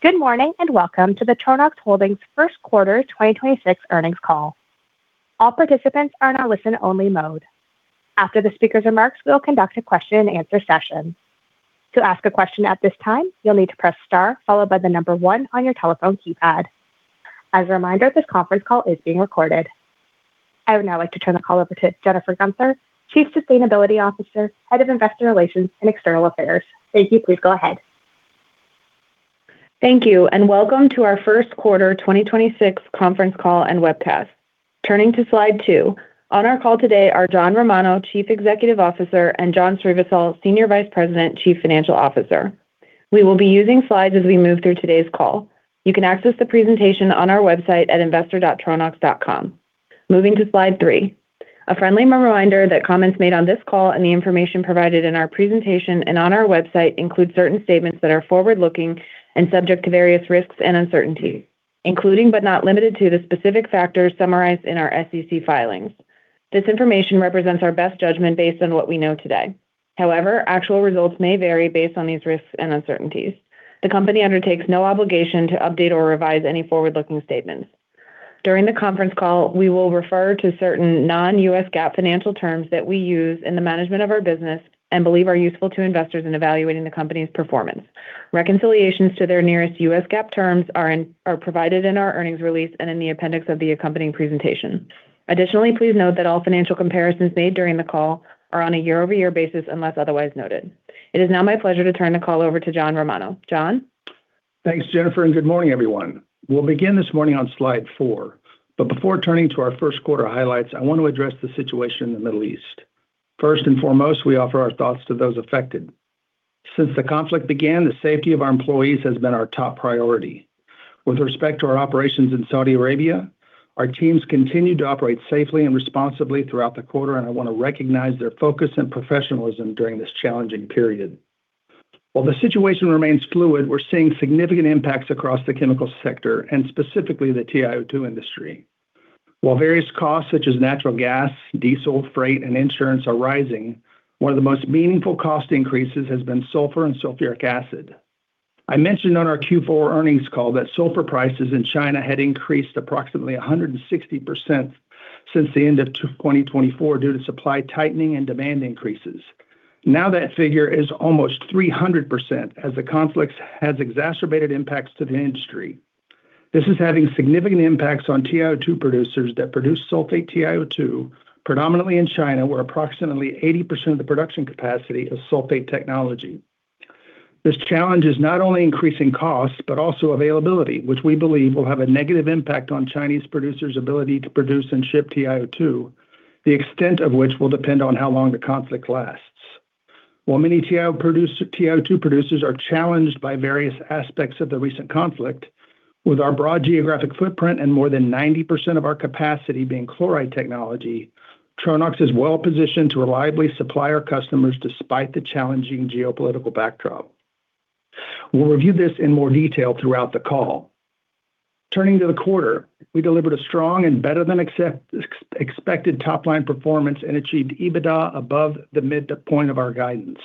Good morning, and welcome to the Tronox Holdings First Quarter 2026 Earnings Call. All participants are in a listen-only mode. After the speaker's remarks, we will conduct a question and answer session. To ask a question at this time, you'll need to press star followed by the number one on your telephone keypad. As a reminder, this conference call is being recorded. I would now like to turn the call over to Jennifer Guenther, Chief Sustainability Officer, Head of Investor Relations and External Affairs. Thank you. Please go ahead. Thank you, and welcome to our First Quarter 2026 Conference Call and webcast. Turning to slide two. On our call today are John D. Romano, Chief Executive Officer, and John Srivisal, Senior Vice President, Chief Financial Officer. We will be using slides as we move through today's call. You can access the presentation on our website at investor.tronox.com. Moving to slide three. A friendly reminder that comments made on this call and the information provided in our presentation and on our website include certain statements that are forward-looking and subject to various risks and uncertainty, including but not limited to, the specific factors summarized in our SEC filings. This information represents our best judgment based on what we know today. However, actual results may vary based on these risks and uncertainties. The company undertakes no obligation to update or revise any forward-looking statements. During the conference call, we will refer to certain non-U.S. GAAP financial terms that we use in the management of our business and believe are useful to investors in evaluating the company's performance. Reconciliations to their nearest U.S. GAAP terms are provided in our earnings release and in the appendix of the accompanying presentation. Please note that all financial comparisons made during the call are on a year-over-year basis unless otherwise noted. It is now my pleasure to turn the call over to John Romano. John? Thanks, Jennifer. Good morning, everyone. We'll begin this morning on slide four. Before turning to our first quarter highlights, I want to address the situation in the Middle East. First and foremost, we offer our thoughts to those affected. Since the conflict began, the safety of our employees has been our top priority. With respect to our operations in Saudi Arabia, our teams continued to operate safely and responsibly throughout the quarter. I want to recognize their focus and professionalism during this challenging period. While the situation remains fluid, we're seeing significant impacts across the chemical sector and specifically the TiO2 industry. While various costs such as natural gas, diesel, freight, and insurance are rising, one of the most meaningful cost increases has been sulfur and sulfuric acid. I mentioned on our Q4 earnings call that sulfur prices in China had increased approximately 160% since the end of 2024 due to supply tightening and demand increases. That figure is almost 300% as the conflict has exacerbated impacts to the industry. This is having significant impacts on TiO2 producers that produce sulfate TiO2 predominantly in China, where approximately 80% of the production capacity is sulfate technology. This challenge is not only increasing costs, but also availability, which we believe will have a negative impact on Chinese producers' ability to produce and ship TiO2, the extent of which will depend on how long the conflict lasts. While many TiO2 producers are challenged by various aspects of the recent conflict, with our broad geographic footprint and more than 90% of our capacity being chloride technology, Tronox is well-positioned to reliably supply our customers despite the challenging geopolitical backdrop. We'll review this in more detail throughout the call. Turning to the quarter, we delivered a strong and better than expected top-line performance and achieved EBITDA above the midpoint of our guidance.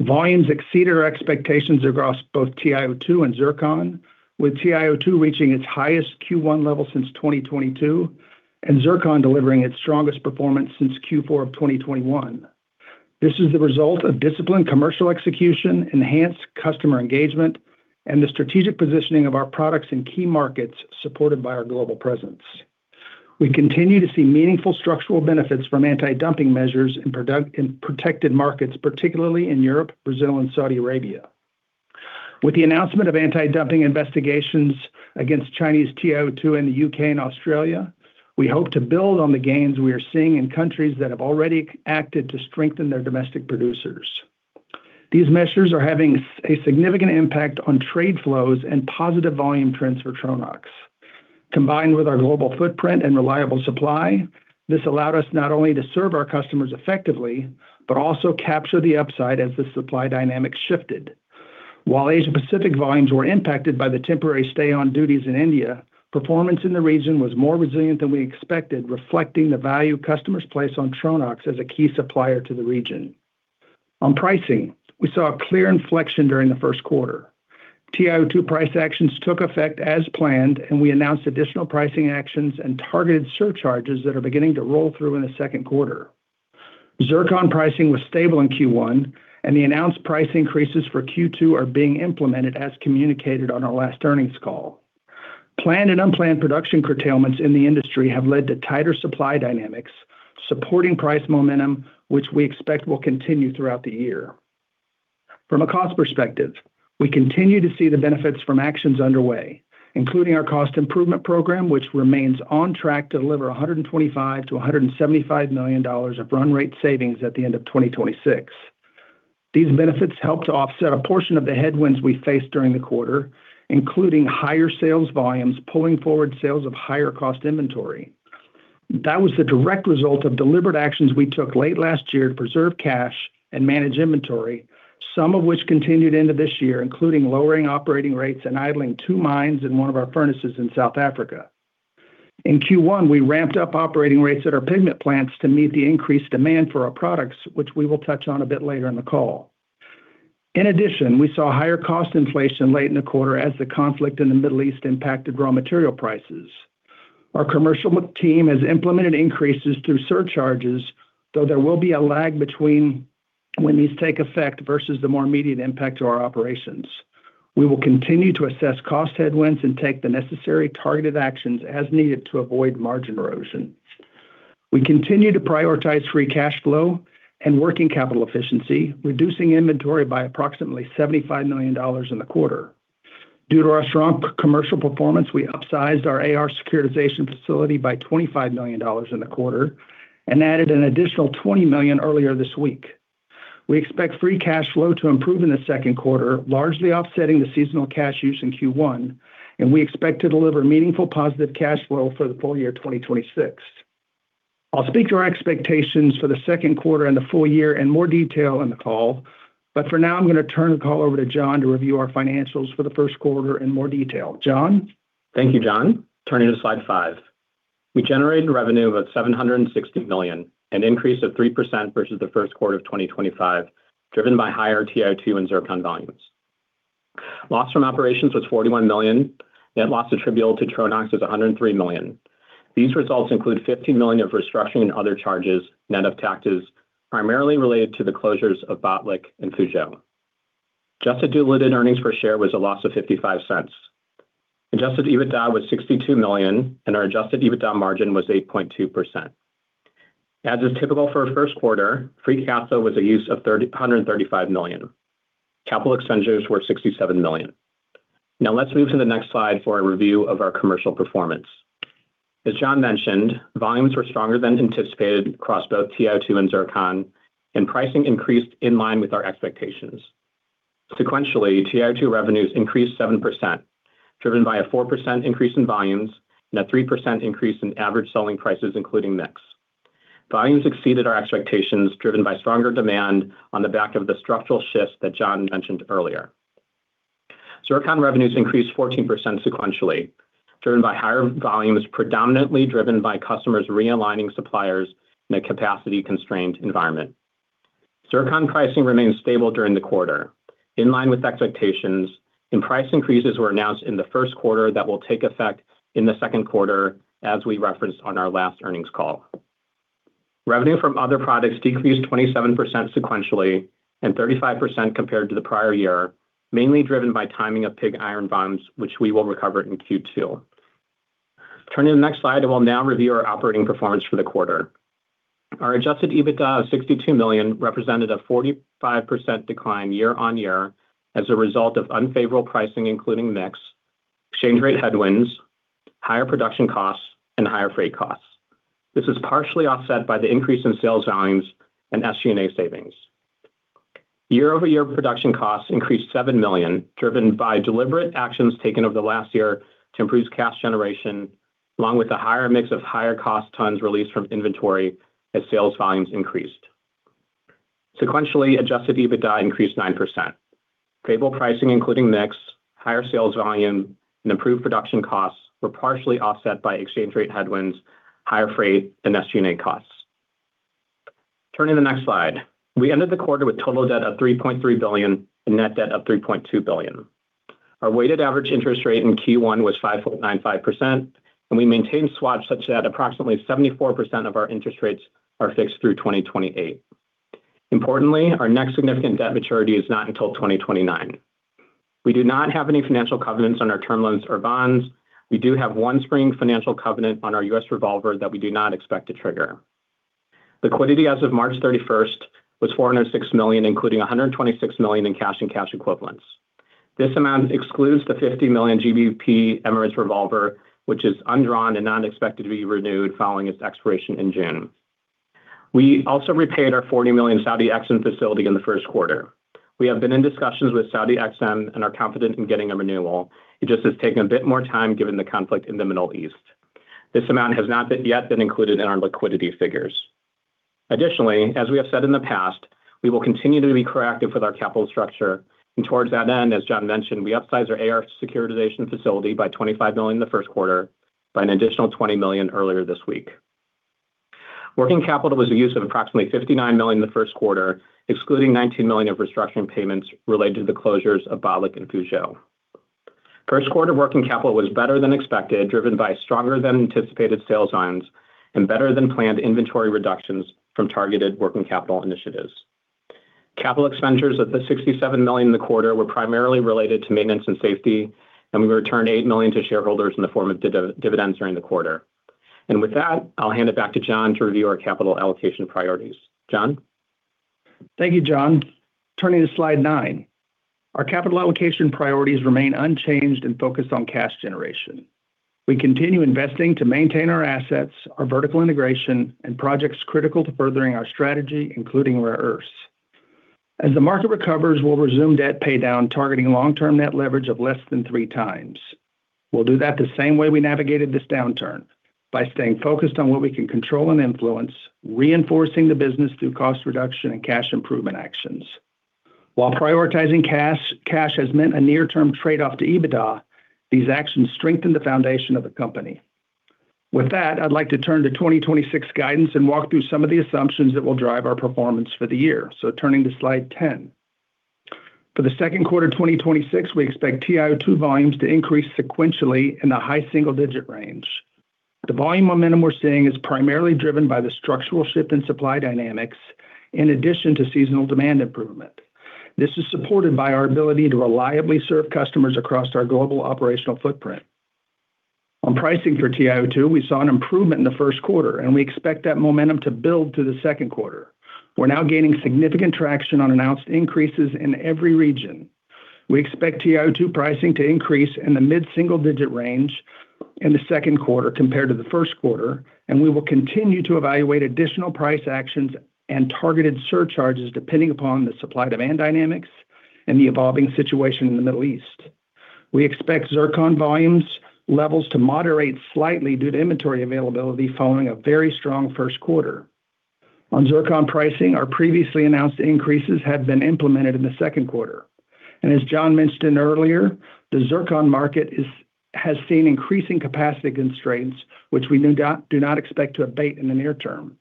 Volumes exceeded our expectations across both TiO2 and zircon, with TiO2 reaching its highest Q1 level since 2022, and zircon delivering its strongest performance since Q4 of 2021. This is the result of disciplined commercial execution, enhanced customer engagement, and the strategic positioning of our products in key markets supported by our global presence. We continue to see meaningful structural benefits from anti-dumping measures in protected markets, particularly in Europe, Brazil, and Saudi Arabia. With the announcement of anti-dumping investigations against Chinese TiO2 in the U.K. and Australia, we hope to build on the gains we are seeing in countries that have already acted to strengthen their domestic producers. These measures are having a significant impact on trade flows and positive volume trends for Tronox. Combined with our global footprint and reliable supply, this allowed us not only to serve our customers effectively, but also capture the upside as the supply dynamic shifted. While Asia Pacific volumes were impacted by the temporary stay on duties in India, performance in the region was more resilient than we expected, reflecting the value customers place on Tronox as a key supplier to the region. On pricing, we saw a clear inflection during the first quarter. TiO2 price actions took effect as planned, and we announced additional pricing actions and targeted surcharges that are beginning to roll through in the second quarter. Zircon pricing was stable in Q1, and the announced price increases for Q2 are being implemented as communicated on our last earnings call. Planned and unplanned production curtailments in the industry have led to tighter supply dynamics, supporting price momentum, which we expect will continue throughout the year. From a cost perspective, we continue to see the benefits from actions underway, including our cost improvement program, which remains on track to deliver $125 million-$175 million of run rate savings at the end of 2026. These benefits help to offset a portion of the headwinds we faced during the quarter, including higher sales volumes, pulling forward sales of higher cost inventory. That was the direct result of deliberate actions we took late last year to preserve cash and manage inventory, some of which continued into this year, including lowering operating rates and idling two mines in one of our furnaces in South Africa. In Q1, we ramped up operating rates at our pigment plants to meet the increased demand for our products, which we will touch on a bit later in the call. We saw higher cost inflation late in the quarter as the conflict in the Middle East impacted raw material prices. Our commercial team has implemented increases through surcharges, though there will be a lag between when these take effect versus the more immediate impact to our operations. We will continue to assess cost headwinds and take the necessary targeted actions as needed to avoid margin erosion. We continue to prioritize free cash flow and working capital efficiency, reducing inventory by approximately $75 million in the quarter. Due to our strong commercial performance, we upsized our AR securitization facility by $25 million in the quarter and added an additional $20 million earlier this week. We expect free cash flow to improve in the second quarter, largely offsetting the seasonal cash use in Q1, and we expect to deliver meaningful positive cash flow for the full year 2026. I'll speak to our expectations for the second quarter and the full year in more detail in the call, but for now I'm going to turn the call over to John to review our financials for the first quarter in more detail. John? Thank you, John. Turning to slide five. We generated revenue of $760 million, an increase of 3% versus the first quarter of 2025, driven by higher TiO2 and zircon volumes. Loss from operations was $41 million, net loss attributable to Tronox was $103 million. These results include $15 million of restructuring and other charges, net of taxes, primarily related to the closures of Botlek and Fuzhou. Adjusted diluted earnings per share was a loss of $0.55. Adjusted EBITDA was $62 million, and our adjusted EBITDA margin was 8.2%. As is typical for a first quarter, free cash flow was a use of $135 million. Capital expenditures were $67 million. Now let's move to the next slide for a review of our commercial performance. As John mentioned, volumes were stronger than anticipated across both TiO2 and zircon, and pricing increased in line with our expectations. Sequentially, TiO2 revenues increased 7%, driven by a 4% increase in volumes and a 3% increase in average selling prices, including mix. Volumes exceeded our expectations, driven by stronger demand on the back of the structural shift that John mentioned earlier. Zircon revenues increased 14% sequentially, driven by higher volumes, predominantly driven by customers realigning suppliers in a capacity-constrained environment. Zircon pricing remained stable during the quarter. In line with expectations and price increases were announced in the first quarter that will take effect in the second quarter, as we referenced on our last earnings call. Revenue from other products decreased 27% sequentially and 35% compared to the prior year, mainly driven by timing of pig iron volumes, which we will recover in Q2. Turning to the next slide, we'll now review our operating performance for the quarter. Our adjusted EBITDA of $62 million represented a 45% decline year-on-year as a result of unfavorable pricing including mix, exchange rate headwinds, higher production costs and higher freight costs. This is partially offset by the increase in sales volumes and SG&A savings. Year-over-year production costs increased $7 million, driven by deliberate actions taken over the last year to improve cash generation, along with a higher mix of higher cost tons released from inventory as sales volumes increased. Sequentially, adjusted EBITDA increased 9%. Favorable pricing including mix, higher sales volume and improved production costs were partially offset by exchange rate headwinds, higher freight and SG&A costs. Turning to the next slide. We ended the quarter with total debt of $3.3 billion and net debt of $3.2 billion. Our weighted average interest rate in Q1 was 5.95%, and we maintained swaps such that approximately 74% of our interest rates are fixed through 2028. Importantly, our next significant debt maturity is not until 2029. We do not have any financial covenants on our term loans or bonds. We do have 1 spring financial covenant on our U.S. revolver that we do not expect to trigger. Liquidity as of March 31st, was $406 million, including $126 million in cash and cash equivalents. This amount excludes the 50 million GBP Emirates revolver, which is undrawn and not expected to be renewed following its expiration in June. We also repaid our $40 million Saudi EXIM facility in the first quarter. We have been in discussions with Saudi EXIM and are confident in getting a renewal. It just has taken a bit more time given the conflict in the Middle East. This amount has not yet been included in our liquidity figures. Additionally, as we have said in the past, we will continue to be proactive with our capital structure and towards that end, as John mentioned, we upsized our AR securitization facility by $25 million in the first quarter by an additional $20 million earlier this week. Working capital was a use of approximately $59 million in the first quarter, excluding $19 million of restructuring payments related to the closures of Botlek and Fuzhou. First quarter working capital was better than expected, driven by stronger than anticipated sales volumes and better than planned inventory reductions from targeted working capital initiatives. Capital expenditures of the $67 million in the quarter were primarily related to maintenance and safety, we returned $8 million to shareholders in the form of dividends during the quarter. With that, I'll hand it back to John to review our capital allocation priorities. John? Thank you, John. Turning to slide nine. Our capital allocation priorities remain unchanged and focused on cash generation. We continue investing to maintain our assets, our vertical integration and projects critical to furthering our strategy, including rare earths. As the market recovers, we'll resume debt paydown, targeting long-term net leverage of less than 3x. We'll do that the same way we navigated this downturn, by staying focused on what we can control and influence, reinforcing the business through cost reduction and cash improvement actions. While prioritizing cash has meant a near-term trade-off to EBITDA, these actions strengthen the foundation of the company. With that, I'd like to turn to 2026 guidance and walk through some of the assumptions that will drive our performance for the year. Turning to slide 10. For the second quarter of 2026, we expect TiO2 volumes to increase sequentially in the high single-digit range. The volume momentum we're seeing is primarily driven by the structural shift in supply dynamics in addition to seasonal demand improvement. This is supported by our ability to reliably serve customers across our global operational footprint. On pricing for TiO2, we saw an improvement in the first quarter, and we expect that momentum to build to the second quarter. We're now gaining significant traction on announced increases in every region. We expect TiO2 pricing to increase in the mid-single digit range in the second quarter compared to the first quarter, and we will continue to evaluate additional price actions and targeted surcharges depending upon the supply demand dynamics and the evolving situation in the Middle East. We expect zircon volumes levels to moderate slightly due to inventory availability following a very strong first quarter. On zircon pricing, our previously announced increases have been implemented in the second quarter. As John mentioned earlier, the zircon market has seen increasing capacity constraints, which we do not expect to abate in the near term.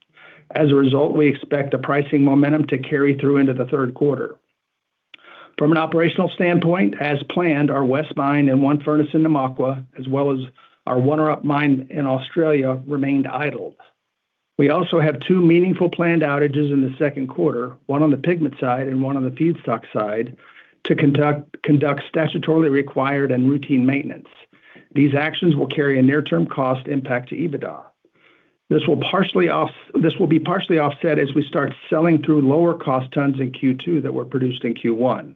As a result, we expect the pricing momentum to carry through into the third quarter. From an operational standpoint, as planned, our West Mine and one furnace in Namakwa, as well as our Wonnerup mine in Australia remained idled. We also have two meaningful planned outages in the second quarter, one on the pigment side and one on the feedstock side, to conduct statutorily required and routine maintenance. These actions will carry a near-term cost impact to EBITDA. This will be partially offset as we start selling through lower cost tons in Q2 that were produced in Q1.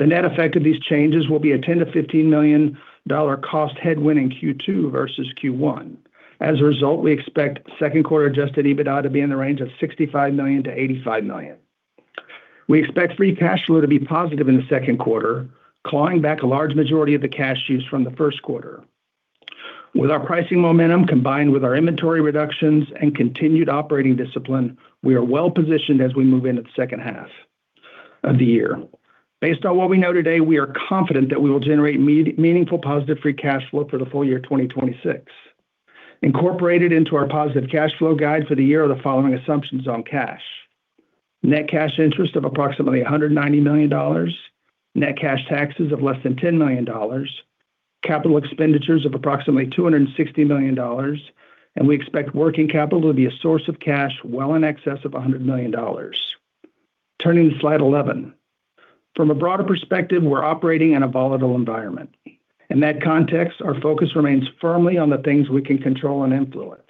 The net effect of these changes will be a $10 million-$15 million cost headwind in Q2 versus Q1. As a result, we expect second quarter adjusted EBITDA to be in the range of $65 million-$85 million. We expect free cash flow to be positive in the second quarter, clawing back a large majority of the cash used from the first quarter. With our pricing momentum combined with our inventory reductions and continued operating discipline, we are well-positioned as we move into the second half of the year. Based on what we know today, we are confident that we will generate meaningful positive free cash flow for the full year 2026. Incorporated into our positive cash flow guide for the year are the following assumptions on cash. Net cash interest of approximately $190 million, net cash taxes of less than $10 million, capital expenditures of approximately $260 million. We expect working capital to be a source of cash well in excess of $100 million. Turning to slide 11. From a broader perspective, we're operating in a volatile environment. In that context, our focus remains firmly on the things we can control and influence.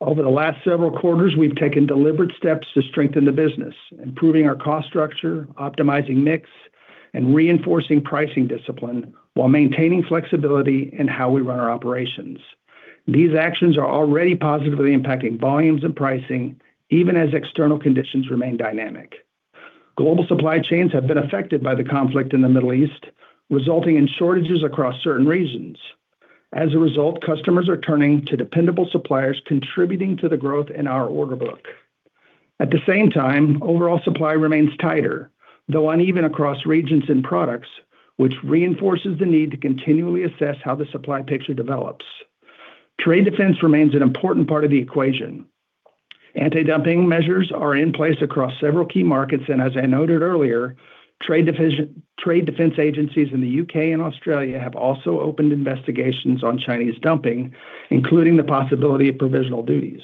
Over the last several quarters, we've taken deliberate steps to strengthen the business, improving our cost structure, optimizing mix, and reinforcing pricing discipline while maintaining flexibility in how we run our operations. These actions are already positively impacting volumes and pricing even as external conditions remain dynamic. Global supply chains have been affected by the conflict in the Middle East, resulting in shortages across certain regions. As a result, customers are turning to dependable suppliers, contributing to the growth in our order book. At the same time, overall supply remains tighter, though uneven across regions and products, which reinforces the need to continually assess how the supply picture develops. Trade defense remains an important part of the equation. Anti-dumping measures are in place across several key markets, and as I noted earlier, trade defense agencies in the U.K. and Australia have also opened investigations on Chinese dumping, including the possibility of provisional duties.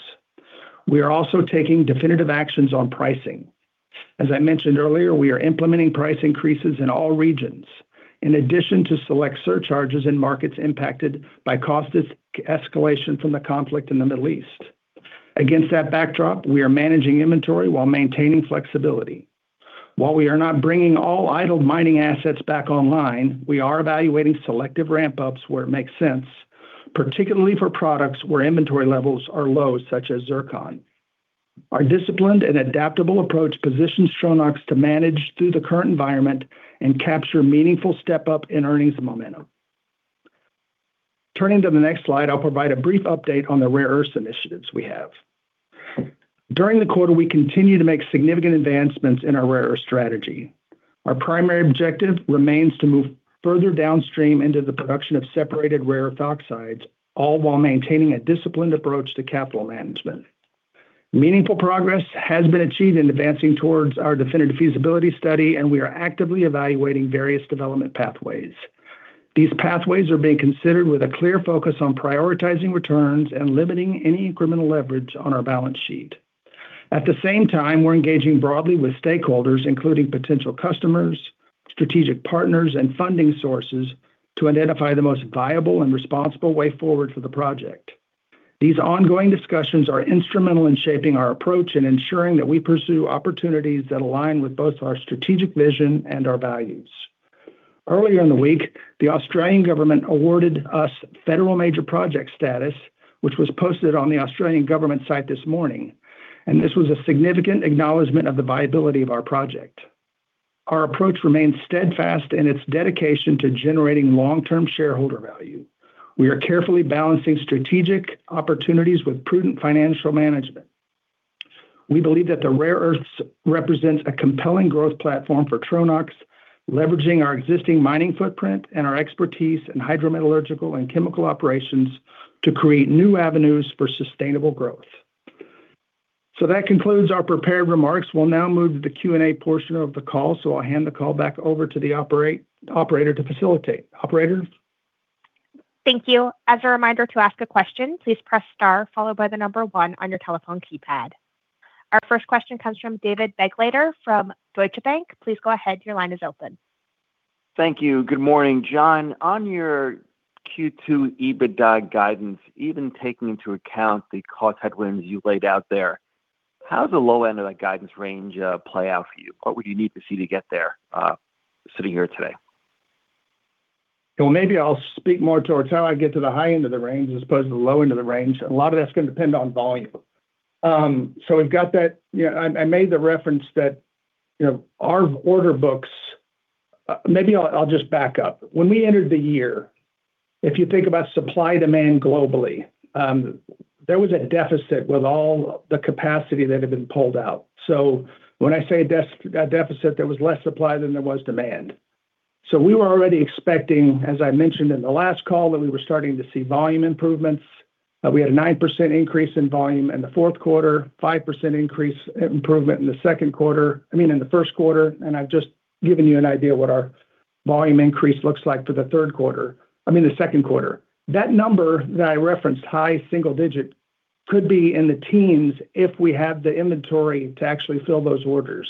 We are also taking definitive actions on pricing. As I mentioned earlier, we are implementing price increases in all regions in addition to select surcharges in markets impacted by cost escalation from the conflict in the Middle East. Against that backdrop, we are managing inventory while maintaining flexibility. While we are not bringing all idled mining assets back online, we are evaluating selective ramp-ups where it makes sense, particularly for products where inventory levels are low, such as zircon. Our disciplined and adaptable approach positions Tronox to manage through the current environment and capture meaningful step-up in earnings momentum. Turning to the next slide, I will provide a brief update on the rare earth initiatives we have. During the quarter, we continue to make significant advancements in our rare earth strategy. Our primary objective remains to move further downstream into the production of separated rare earth oxides, all while maintaining a disciplined approach to capital management. Meaningful progress has been achieved in advancing towards our definitive feasibility study, and we are actively evaluating various development pathways. These pathways are being considered with a clear focus on prioritizing returns and limiting any incremental leverage on our balance sheet. At the same time, we're engaging broadly with stakeholders, including potential customers, strategic partners, and funding sources to identify the most viable and responsible way forward for the project. These ongoing discussions are instrumental in shaping our approach and ensuring that we pursue opportunities that align with both our strategic vision and our values. Earlier in the week, the Australian Government awarded us federal Major Project Status, which was posted on the Australian Government site this morning, and this was a significant acknowledgment of the viability of our project. Our approach remains steadfast in its dedication to generating long-term shareholder value. We are carefully balancing strategic opportunities with prudent financial management. We believe that the rare earths represents a compelling growth platform for Tronox, leveraging our existing mining footprint and our expertise in hydrometallurgical and chemical operations to create new avenues for sustainable growth. That concludes our prepared remarks. We'll now move to the Q&A portion of the call, so I'll hand the call back over to the operator to facilitate. Operator? Thank you. As a remainder to ask a question, please press star followed by number one on your telephone keypad. Our first question comes from David Begleiter from Deutsche Bank. Please go ahead, your line is open. Thank you. Good morning, John. On your Q2 EBITDA guidance, even taking into account the cost headwinds you laid out there, how does the low end of that guidance range play out for you? What would you need to see to get there sitting here today? Well, maybe I'll speak more towards how I get to the high end of the range as opposed to the low end of the range. A lot of that's gonna depend on volume. We've got that. You know, I made the reference that, you know, our order books, maybe I'll just back up. When we entered the year, if you think about supply-demand globally, there was a deficit with all the capacity that had been pulled out. When I say deficit, there was less supply than there was demand. We were already expecting, as I mentioned in the last call, that we were starting to see volume improvements. We had a 9% increase in volume in the fourth quarter, 5% increase, improvement in the second quarter, I mean, in the first quarter, and I've just given you an idea what our volume increase looks like for the third quarter, I mean, the second quarter. That number that I referenced, high single-digit, could be in the teens if we have the inventory to actually fill those orders.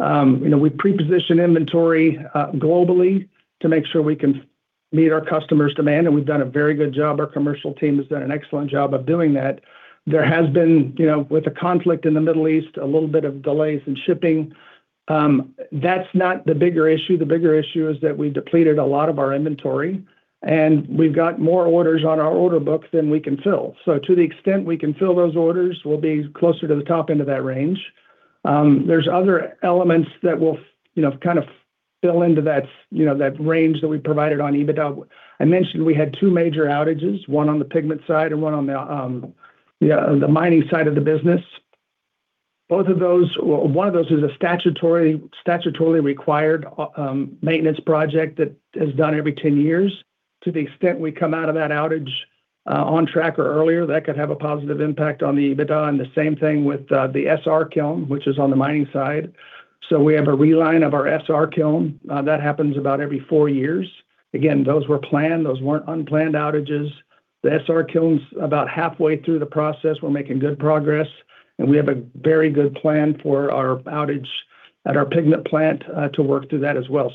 You know, we pre-position inventory globally to make sure we can meet our customers' demand, and we've done a very good job. Our commercial team has done an excellent job of doing that. There has been, you know, with the conflict in the Middle East, a little bit of delays in shipping. That's not the bigger issue. The bigger issue is that we depleted a lot of our inventory, and we've got more orders on our order book than we can fill. To the extent we can fill those orders, we'll be closer to the top end of that range. There's other elements that will, you know, kind of fill into that, you know, that range that we provided on EBITDA. I mentioned we had two major outages, one on the pigment side and one on the, yeah, the mining side of the business. Both of those, one of those is a statutory, statutorily required, maintenance project that is done every 10 years. To the extent we come out of that outage, on track or earlier, that could have a positive impact on the EBITDA, and the same thing with the SR kiln, which is on the mining side. We have a reline of our SR kiln. That happens about every 4 years. Again, those were planned. Those weren't unplanned outages. The SR kiln's about halfway through the process. We're making good progress, and we have a very good plan for our outage at our pigment plant, to work through that as well.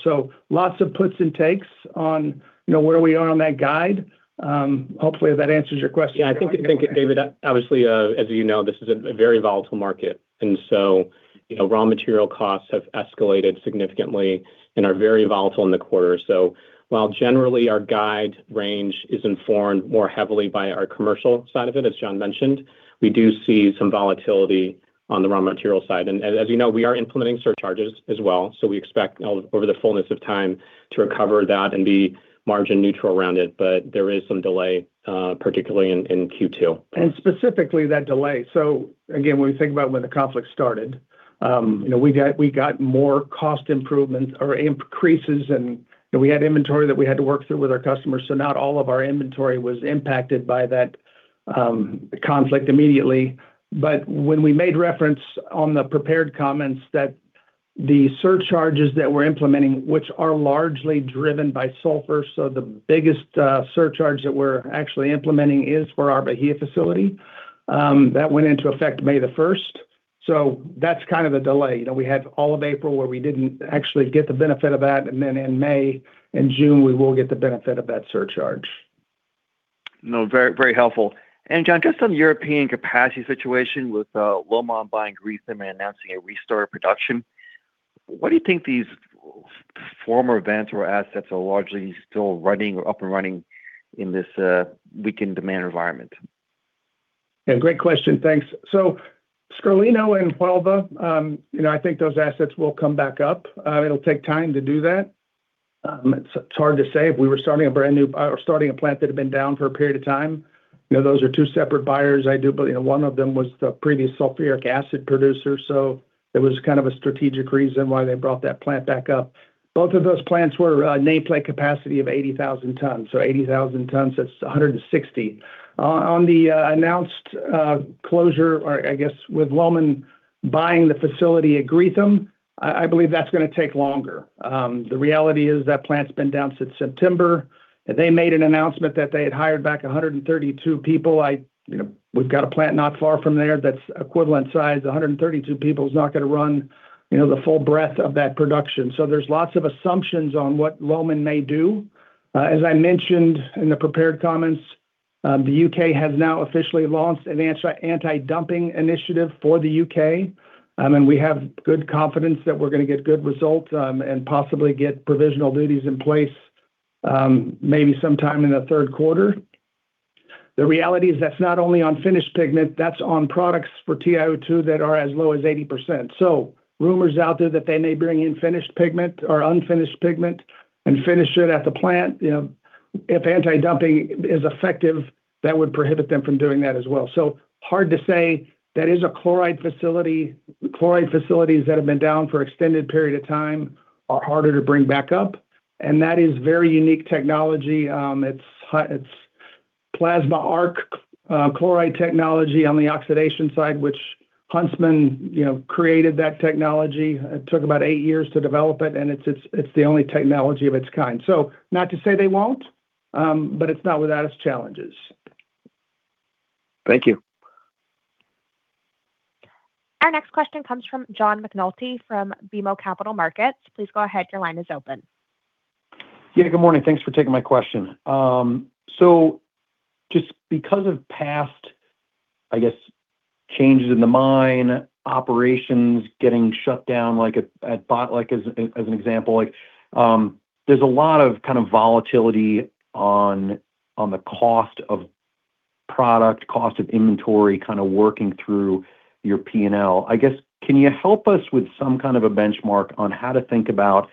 Lots of puts and takes on, you know, where we are on that guide. Hopefully that answers your question. Yeah, I think... Go ahead. David, obviously, as you know, this is a very volatile market. You know, raw material costs have escalated significantly and are very volatile in the quarter. While generally our guide range is informed more heavily by our commercial side of it, as John mentioned, we do see some volatility on the raw material side. As you know, we are implementing surcharges as well. We expect over the fullness of time to recover that and be margin neutral around it. There is some delay, particularly in Q2. Specifically that delay. Again, when we think about when the conflict started, you know, we got more cost improvements or increases and we had inventory that we had to work through with our customers. Not all of our inventory was impacted by that conflict immediately. When we made reference on the prepared comments that the surcharges that we're implementing, which are largely driven by sulfur. The biggest surcharge that we're actually implementing is for our Bahia facility. That went into effect May 1st, That's kind of the delay. You know, we had all of April where we didn't actually get the benefit of that, and then in May and June, we will get the benefit of that surcharge. No, very, very helpful. John, just on European capacity situation with Lomon buying Greatham and announcing a restart of production, what do you think these former Venator assets are largely still running or up and running in this weakened demand environment? Yeah, great question. Thanks. Scarlino and Huelva, you know, I think those assets will come back up. It'll take time to do that. It's hard to say if we were starting a brand new or starting a plant that had been down for a period of time. You know, those are two separate buyers. I do believe one of them was the previous sulfuric acid producer, so it was kind of a strategic reason why they brought that plant back up. Both of those plants were nameplate capacity of 80,000 tons. 80,000 tons, that's 160,000 tons. On the announced closure or I guess with Lomon buying the facility at Greatham, I believe that's gonna take longer. The reality is that plant's been down since September. They made an announcement that they had hired back 132 people. You know, we've got a plant not far from there that's equivalent size. 132 people is not gonna run, you know, the full breadth of that production. There's lots of assumptions on what Lomon may do. As I mentioned in the prepared comments, the U.K. has now officially launched an anti-dumping initiative for the U.K. We have good confidence that we're gonna get good results, and possibly get provisional duties in place, maybe sometime in the third quarter. The reality is that's not only on finished pigment, that's on products for TiO2 that are as low as 80%. Rumors out there that they may bring in finished pigment or unfinished pigment and finish it at the plant, you know, if anti-dumping is effective, that would prohibit them from doing that as well. That is a chloride facility. Chloride facilities that have been down for extended period of time are harder to bring back up, and that is very unique technology. It's plasma arc chloride technology on the oxidation side, which Huntsman, you know, created that technology. It took about 8 years to develop it, and it's, it's the only technology of its kind. Not to say they won't, but it's not without its challenges. Thank you. Our next question comes from John McNulty from BMO Capital Markets. Please go ahead, your line is open. Yeah, good morning. Thanks for taking my question. Just because of past, I guess, changes in the mine, operations getting shut down, like at Botlek, as an example, like, there's a lot of kind of volatility on the cost of product, cost of inventory, kind of working through your P&L. I guess, can you help us with some kind of a benchmark on how to think about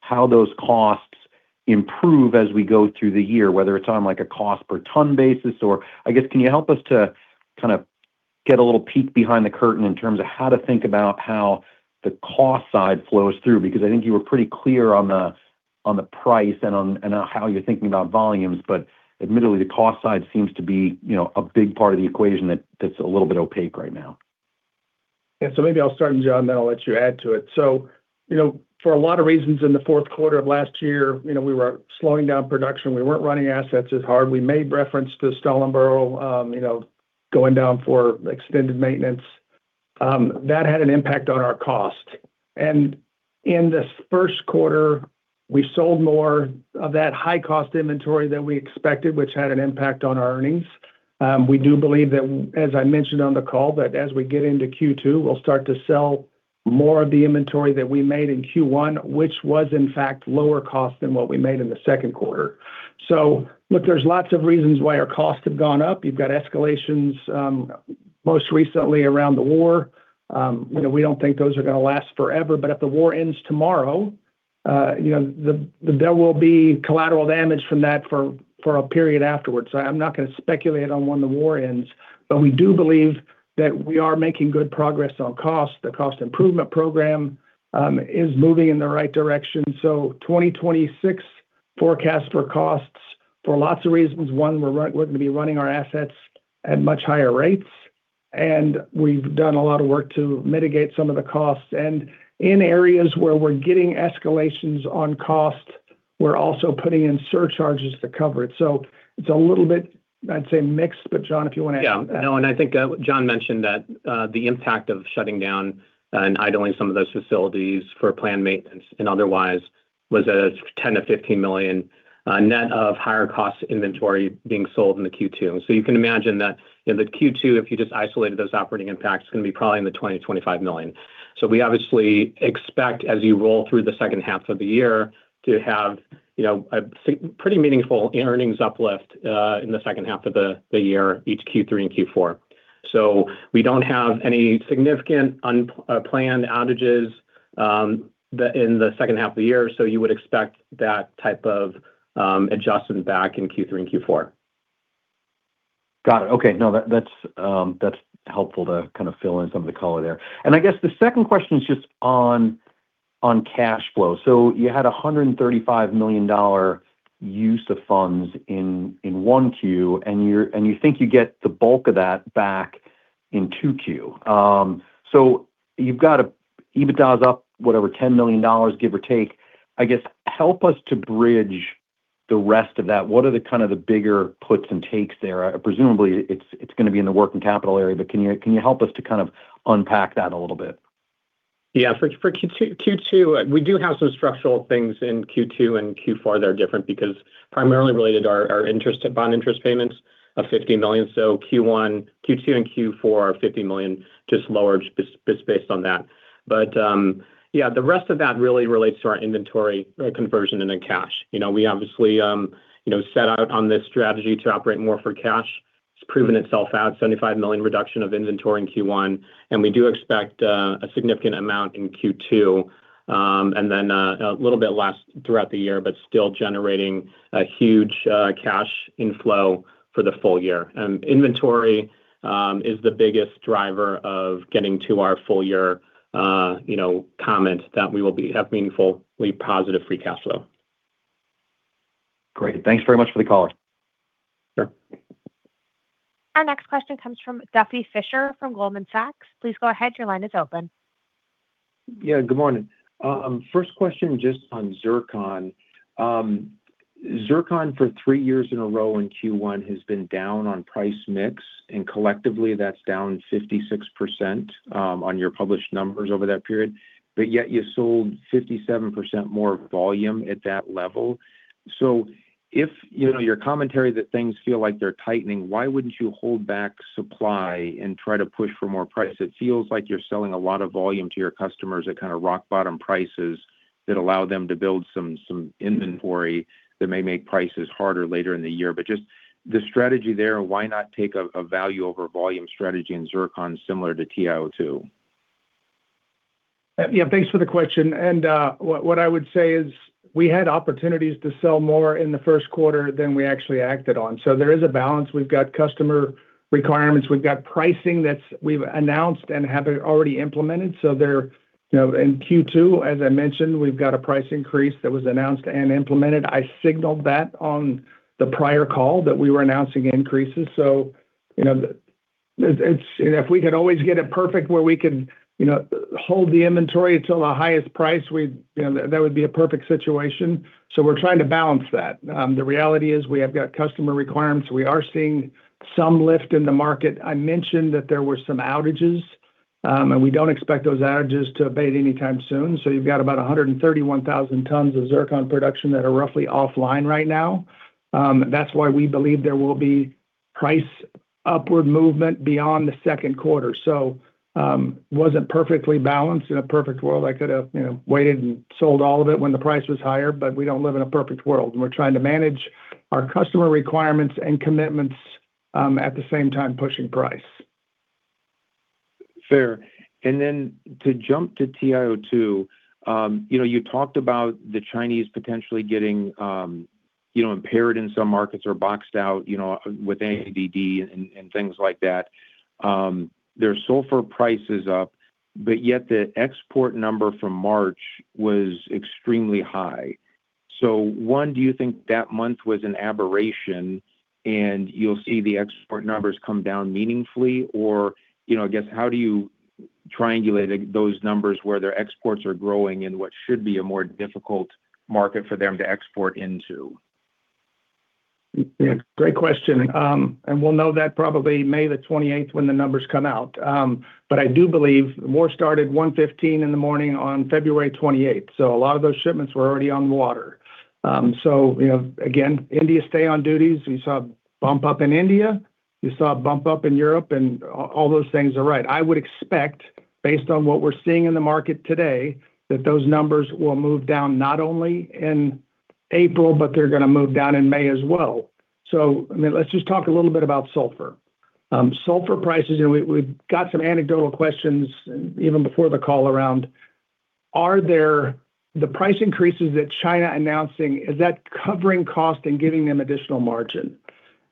how those costs improve as we go through the year, whether it's on, like, a cost per ton basis, or I guess, can you help us to kind of get a little peek behind the curtain in terms of how to think about how the cost side flows through? I think you were pretty clear on the price and on how you're thinking about volumes, but admittedly, the cost side seems to be, you know, a big part of the equation that's a little bit opaque right now. Yeah. Maybe I'll start, and John, I'll let you add to it. You know, for a lot of reasons in the fourth quarter of last year, you know, we were slowing down production. We weren't running assets as hard. We made reference to Stallingborough, you know, going down for extended maintenance. That had an impact on our cost. In this first quarter, we sold more of that high-cost inventory than we expected, which had an impact on our earnings. We do believe that, as I mentioned on the call, that as we get into Q2, we'll start to sell more of the inventory that we made in Q1, which was in fact lower cost than what we made in the second quarter. Look, there's lots of reasons why our costs have gone up. You've got escalations, most recently around the war. You know, we don't think those are gonna last forever, but if the war ends tomorrow, you know, there will be collateral damage from that for a period afterwards. I'm not gonna speculate on when the war ends, but we do believe that we are making good progress on cost. The cost improvement program is moving in the right direction. 2026 forecast for costs for lots of reasons. One, we're gonna be running our assets at much higher rates, and we've done a lot of work to mitigate some of the costs. In areas where we're getting escalations on cost, we're also putting in surcharges to cover it. It's a little bit, I'd say, mixed. John, if you wanna add to that. No, I think John mentioned that the impact of shutting down and idling some of those facilities for planned maintenance and otherwise was a $10 million-$15 million net of higher cost inventory being sold in the Q2. You can imagine that in the Q2, if you just isolated those operating impacts, it's going to be probably in the $20 million-$25 million. We obviously expect as you roll through the second half of the year to have, you know, a pretty meaningful earnings uplift in the second half of the year, each Q3 and Q4. We don't have any significant planned outages in the second half of the year, so you would expect that type of adjustment back in Q3 and Q4. Got it. Okay. No, that's helpful to kind of fill in some of the color there. I guess the second question is just on cash flow. You had a $135 million use of funds in 1Q, and you think you get the bulk of that back in 2Q. You've got EBITDA's up, whatever, $10 million, give or take. I guess, help us to bridge the rest of that. What are the kind of the bigger puts and takes there? Presumably, it's gonna be in the working capital area, can you help us to kind of unpack that a little bit? Yeah. For Q2, we do have some structural things in Q2 and Q4 that are different because primarily related to our interest, bond interest payments of $50 million. Q1, Q2 and Q4 are $50 million, just lower based on that. Yeah, the rest of that really relates to our inventory conversion into cash. You know, we obviously, you know, set out on this strategy to operate more for cash. It's proven itself out, $75 million reduction of inventory in Q1, and we do expect a significant amount in Q2, and then a little bit less throughout the year, but still generating a huge cash inflow for the full year. Inventory is the biggest driver of getting to our full year, you know, comment that we will have meaningfully positive free cash flow. Great. Thanks very much for the color. Sure. Our next question comes from Duffy Fischer from Goldman Sachs. Please go ahead your line is open. Yeah, good morning. First question, just on zircon. Zircon for 3 years in a row in Q1 has been down on price mix, collectively that's down 56% on your published numbers over that period, yet you sold 57% more volume at that level. If, you know, your commentary that things feel like they're tightening, why wouldn't you hold back supply and try to push for more price? It feels like you're selling a lot of volume to your customers at kind of rock bottom prices. That allow them to build some inventory that may make prices harder later in the year. Just the strategy there, why not take a value over volume strategy in zircon similar to TiO2? Yeah, thanks for the question. What I would say is we had opportunities to sell more in the first quarter than we actually acted on. There is a balance. We've got customer requirements, we've got pricing that's we've announced and have already implemented. They're, you know, in Q2, as I mentioned, we've got a price increase that was announced and implemented. I signaled that on the prior call that we were announcing increases. You know, the, it's And if we could always get it perfect where we could, you know, hold the inventory until the highest price, we'd, you know, that would be a perfect situation. We're trying to balance that. The reality is we have got customer requirements. We are seeing some lift in the market. I mentioned that there were some outages, and we don't expect those outages to abate anytime soon. You've got about 131,000 tons of zircon production that are roughly offline right now. That's why we believe there will be price upward movement beyond the second quarter. Wasn't perfectly balanced. In a perfect world, I could have, you know, waited and sold all of it when the price was higher. But we don't live in a perfect world, and we're trying to manage our customer requirements and commitments, at the same time pushing price. Fair. To jump to TiO2, you know, you talked about the Chinese potentially getting, you know, impaired in some markets or boxed out, you know, with ADD and things like that. Their sulfur price is up, but yet the export number from March was extremely high. One, do you think that month was an aberration and you'll see the export numbers come down meaningfully? I guess, how do you triangulate, like, those numbers where their exports are growing in what should be a more difficult market for them to export into? Yeah, great question. We'll know that probably May 28 when the numbers come out. I do believe the war started 1:15 A.M. on February 28. A lot of those shipments were already on the water. You know, again, India stay on duties. We saw a bump up in India. You saw a bump up in Europe, and all those things are right. I would expect, based on what we're seeing in the market today, that those numbers will move down not only in April, but they're gonna move down in May as well. Let's just talk a little bit about sulfur. Sulfur prices, we've got some anecdotal questions even before the call around, The price increases that China announcing, is that covering cost and giving them additional margin?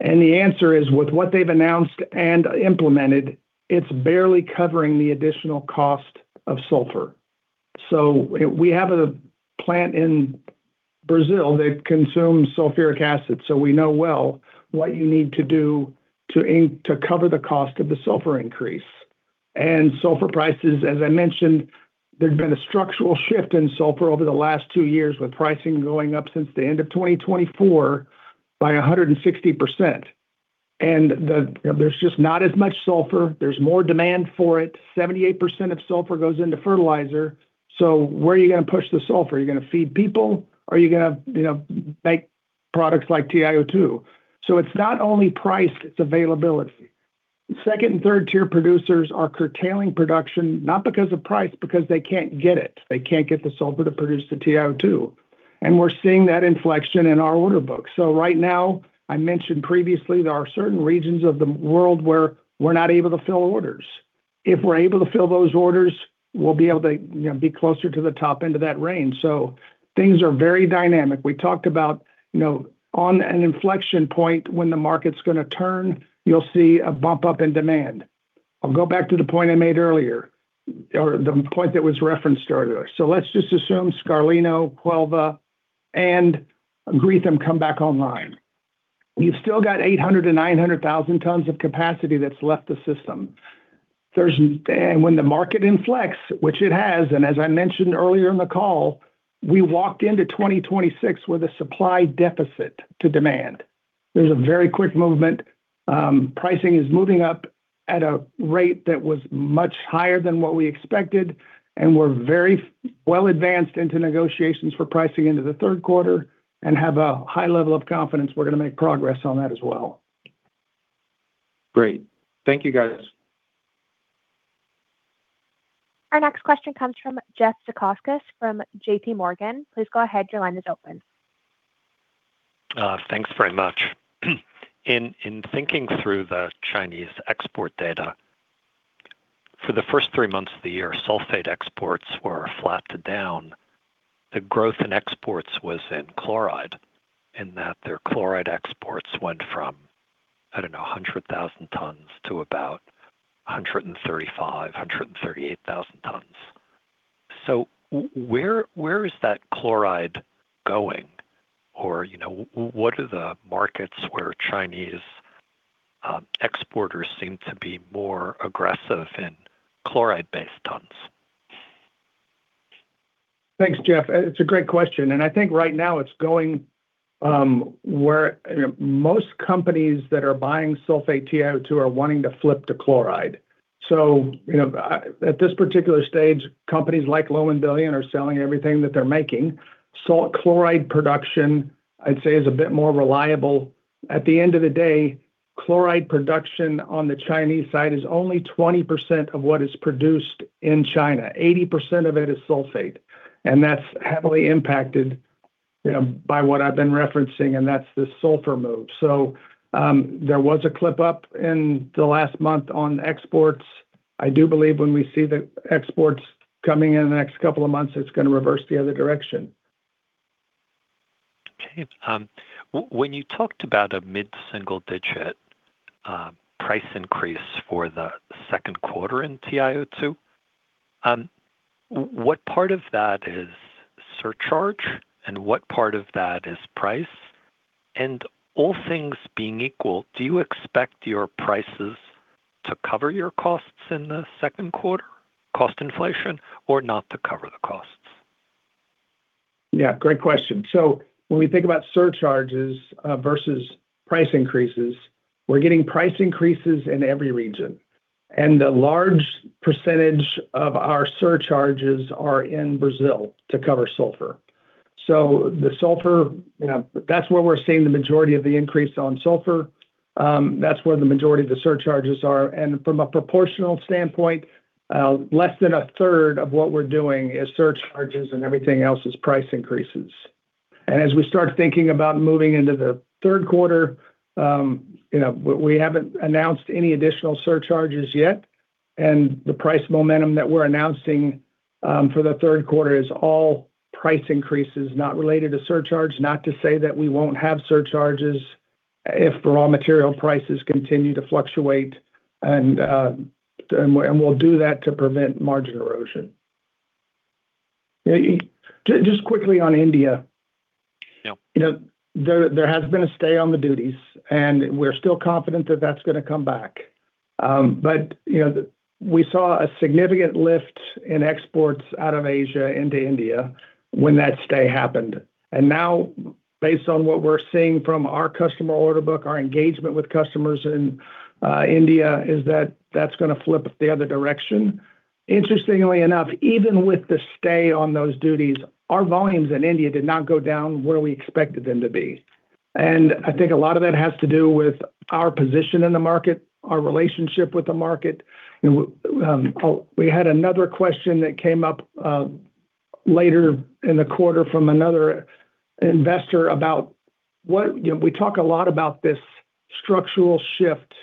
The answer is, with what they've announced and implemented, it's barely covering the additional cost of sulfur. We have a plant in Brazil that consumes sulfuric acid, so we know well what you need to do to cover the cost of the sulfur increase. Sulfur prices, as I mentioned, there's been a structural shift in sulfur over the last 2 years, with pricing going up since the end of 2024 by 160%. And there's just not as much sulfur. There's more demand for it. 78% of sulfur goes into fertilizer. Where are you gonna push the sulfur? Are you gonna feed people? Are you gonna, you know, make products like TiO2? It's not only price, it's availability. Second and third tier producers are curtailing production, not because of price, because they can't get it. They can't get the sulfur to produce the TiO2. We're seeing that inflection in our order book. Right now, I mentioned previously there are certain regions of the world where we're not able to fill orders. If we're able to fill those orders, we'll be able to, you know, be closer to the top end of that range. Things are very dynamic. We talked about, you know, on an inflection point, when the market's gonna turn, you'll see a bump up in demand. I'll go back to the point I made earlier, or the point that was referenced earlier. Let's just assume Scarlino, Huelva, and Greatham come back online. You've still got 800,000 tons-900,000 tons of capacity that's left the system. There's when the market inflects, which it has, and as I mentioned earlier in the call, we walked into 2026 with a supply deficit to demand. There's a very quick movement. Pricing is moving up at a rate that was much higher than what we expected, and we're very well advanced into negotiations for pricing into the third quarter and have a high level of confidence we're gonna make progress on that as well. Great. Thank you, guys. Our next question comes from Jeffrey Zekauskas from JPMorgan. Please go ahead, your line is open. Thanks very much. In thinking through the Chinese export data, for the first 3 months of the year, sulfate exports were flat to down. The growth in exports was in chloride, in that their chloride exports went from, I don't know, 100,000 tons to about 135,000 tons-138,000 tons. Where is that chloride going? Or, you know, what are the markets where Chinese exporters seem to be more aggressive in chloride-based tons? Thanks, Jeff. It's a great question. I think right now it's going, where, you know, most companies that are buying sulfate TiO2 are wanting to flip to chloride. You know, at this particular stage, companies like Lomon Billions are selling everything that they're making. Chloride production, I'd say, is a bit more reliable. At the end of the day, chloride production on the Chinese side is only 20% of what is produced in China. 80% of it is sulfate, and that's heavily impacted, you know, by what I've been referencing, and that's the sulfur move. There was a clip up in the last month on exports. I do believe when we see the exports coming in the next couple of months, it's gonna reverse the other direction. Okay. When you talked about a mid-single digit price increase for the second quarter in TiO2, what part of that is surcharge, and what part of that is price? All things being equal, do you expect your prices to cover your costs in the second quarter, cost inflation, or not to cover the costs? Yeah, great question. When we think about surcharges versus price increases, we're getting price increases in every region. A large percentage of our surcharges are in Brazil to cover sulfur. The sulfur, you know, that's where we're seeing the majority of the increase on sulfur. That's where the majority of the surcharges are. From a proportional standpoint, less than a third of what we're doing is surcharges, and everything else is price increases. As we start thinking about moving into the third quarter, you know, we haven't announced any additional surcharges yet, and the price momentum that we're announcing for the third quarter is all price increases not related to surcharge. Not to say that we won't have surcharges if raw material prices continue to fluctuate, and we'll do that to prevent margin erosion. Just quickly on India. You know, there has been a stay on the duties, and we're still confident that that's gonna come back. You know, we saw a significant lift in exports out of Asia into India when that stay happened. Now, based on what we're seeing from our customer order book, our engagement with customers in India, is that that's gonna flip the other direction. Interestingly enough, even with the stay on those duties, our volumes in India did not go down where we expected them to be. I think a lot of that has to do with our position in the market, our relationship with the market. You know, we had another question that came up later in the quarter from another investor about. You know, we talk a lot about this structural shift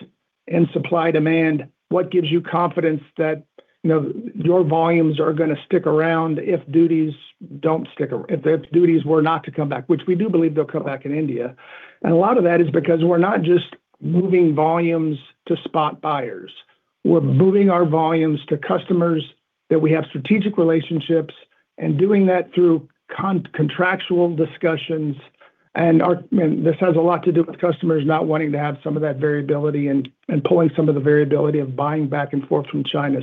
in supply-demand. What gives you confidence that, you know, your volumes are gonna stick around if duties don't stick if the duties were not to come back, which we do believe they'll come back in India. A lot of that is because we're not just moving volumes to spot buyers. We're moving our volumes to customers that we have strategic relationships, and doing that through contractual discussions. This has a lot to do with customers not wanting to have some of that variability and pulling some of the variability of buying back and forth from China.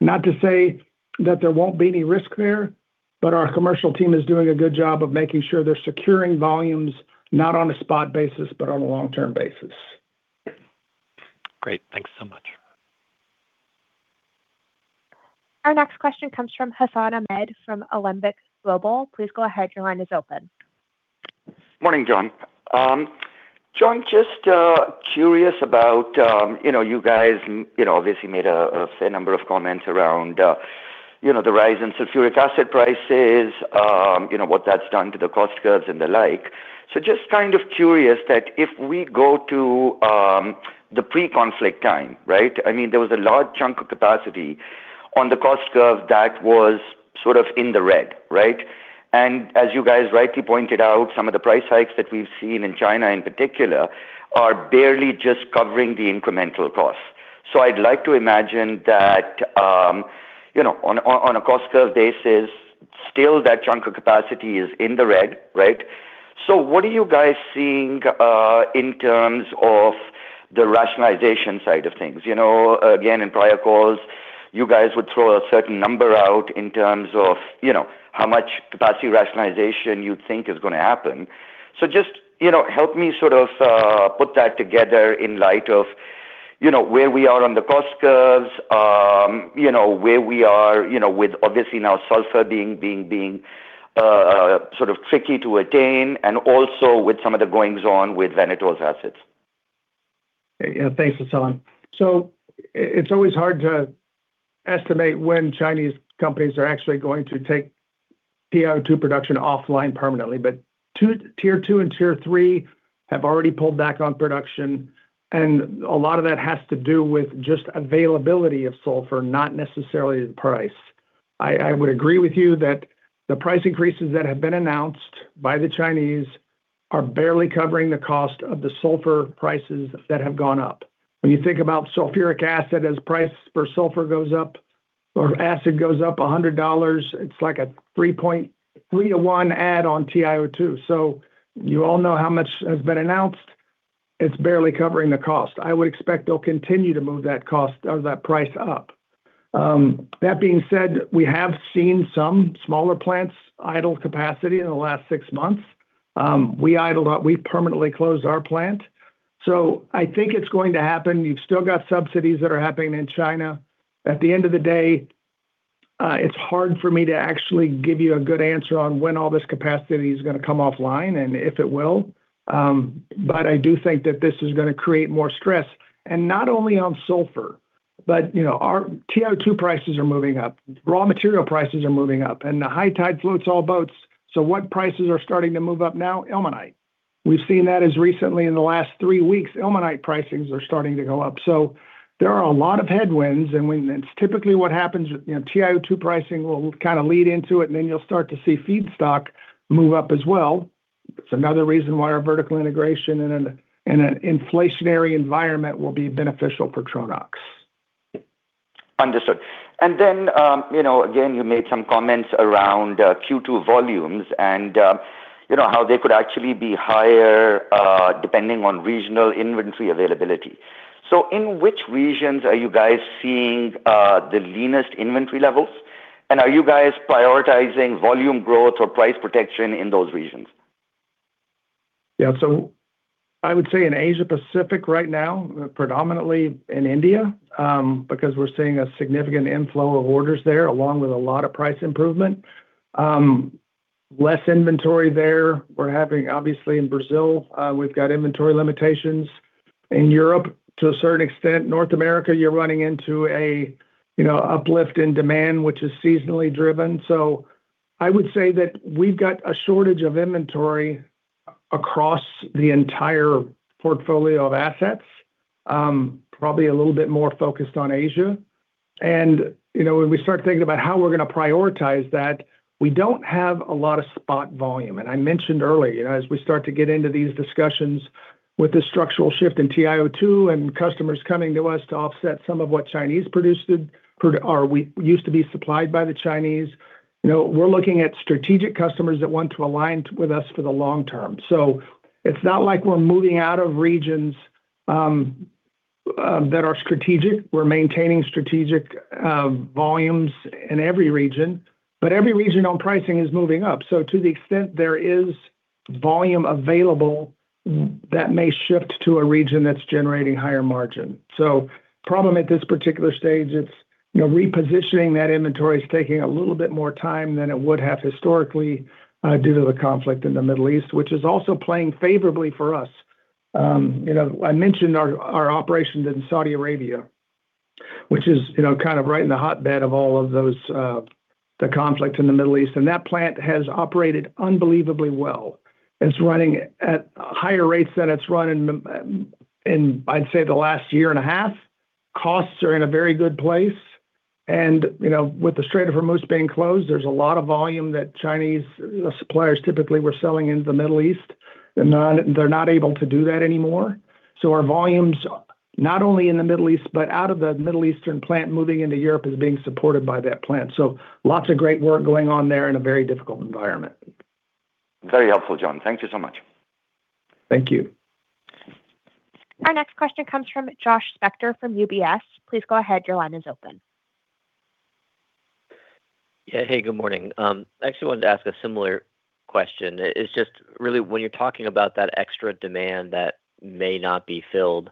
Not to say that there won't be any risk there, but our commercial team is doing a good job of making sure they're securing volumes, not on a spot basis, but on a long-term basis. Great. Thanks so much. Our next question comes from Hassan Ahmed from Alembic Global. Please go ahead, your line is open. Morning, John. John, just curious about, you know, you guys, you know, obviously made a fair number of comments around, you know, the rise in sulfuric acid prices, you know, what that's done to the cost curves and the like. Just kind of curious that if we go to the pre-conflict time, right? I mean, there was a large chunk of capacity on the cost curve that was sort of in the red, right? As you guys rightly pointed out, some of the price hikes that we've seen in China in particular are barely just covering the incremental costs. I'd like to imagine that, you know, on a cost curve basis, still that chunk of capacity is in the red, right? What are you guys seeing in terms of the rationalization side of things? You know, again, in prior calls, you guys would throw a certain number out in terms of, you know, how much capacity rationalization you think is gonna happen. Just, you know, help me sort of put that together in light of, you know, where we are on the cost curves, you know, where we are, you know, with obviously now sulfur being sort of tricky to attain, and also with some of the goings-on with vanadium assets? Yeah. Thanks, Hassan. It's always hard to estimate when Chinese companies are actually going to take TiO2 production offline permanently. Tier II and Tier III have already pulled back on production, and a lot of that has to do with just availability of sulfur, not necessarily the price. I would agree with you that the price increases that have been announced by the Chinese are barely covering the cost of the sulfur prices that have gone up. When you think about sulfuric acid, as price for sulfur goes up or acid goes up $1 00, it's like a 3.3 to 1 add on TiO2. You all know how much has been announced. It's barely covering the cost. I would expect they'll continue to move that cost or that price up. That being said, we have seen some smaller plants idle capacity in the last 6 months. We permanently closed our plant. I think it's going to happen. You've still got subsidies that are happening in China. At the end of the day, it's hard for me to actually give you a good answer on when all this capacity is gonna come offline, and if it will. I do think that this is gonna create more stress, and not only on sulfur, but, you know, our TiO2 prices are moving up, raw material prices are moving up, and a high tide floats all boats. What prices are starting to move up now? Ilmenite. We've seen that as recently in the last 3 weeks, ilmenite pricings are starting to go up. There are a lot of headwinds, and when That's typically what happens. You know, TiO2 pricing will kind of lead into it, and then you'll start to see feedstock move up as well. It's another reason why our vertical integration in an inflationary environment will be beneficial for Tronox. Understood. You know, again, you made some comments around Q2 volumes and, you know, how they could actually be higher, depending on regional inventory availability. In which regions are you guys seeing the leanest inventory levels? Are you guys prioritizing volume growth or price protection in those regions? I would say in Asia Pacific right now, predominantly in India, because we're seeing a significant inflow of orders there, along with a lot of price improvement. Less inventory there. We're having, obviously in Brazil, we've got inventory limitations. In Europe to a certain extent. North America, you're running into a, you know, uplift in demand, which is seasonally driven. I would say that we've got a shortage of inventory across the entire portfolio of assets. Probably a little bit more focused on Asia. When we start thinking about how we're gonna prioritize that, we don't have a lot of spot volume. I mentioned earlier, you know, as we start to get into these discussions with the structural shift in TiO2 and customers coming to us to offset some of what Chinese produced, or we used to be supplied by the Chinese, you know, we're looking at strategic customers that want to align with us for the long term. It's not like we're moving out of regions that are strategic. We're maintaining strategic volumes in every region. Every region on pricing is moving up. To the extent there is volume available, that may shift to a region that's generating higher margin. Problem at this particular stage, it's, you know, repositioning that inventory is taking a little bit more time than it would have historically due to the conflict in the Middle East, which is also playing favorably for us. You know, I mentioned our operations in Saudi Arabia, which is, you know, kind of right in the hotbed of all of those, the conflict in the Middle East, that plant has operated unbelievably well. It's running at higher rates than it's run in the, in I'd say the last year and a half. Costs are in a very good place. You know, with the Strait of Hormuz being closed, there's a lot of volume that Chinese suppliers typically were selling into the Middle East. They're not able to do that anymore. Our volumes, not only in the Middle East, but out of the Middle Eastern plant moving into Europe is being supported by that plant. Lots of great work going on there in a very difficult environment. Very helpful, John. Thank you so much. Thank you. Our next question comes from Josh Spector from UBS. Please go ahead, your line is open. Yeah. Hey, good morning. Actually wanted to ask a similar question. It's just really when you're talking about that extra demand that may not be filled,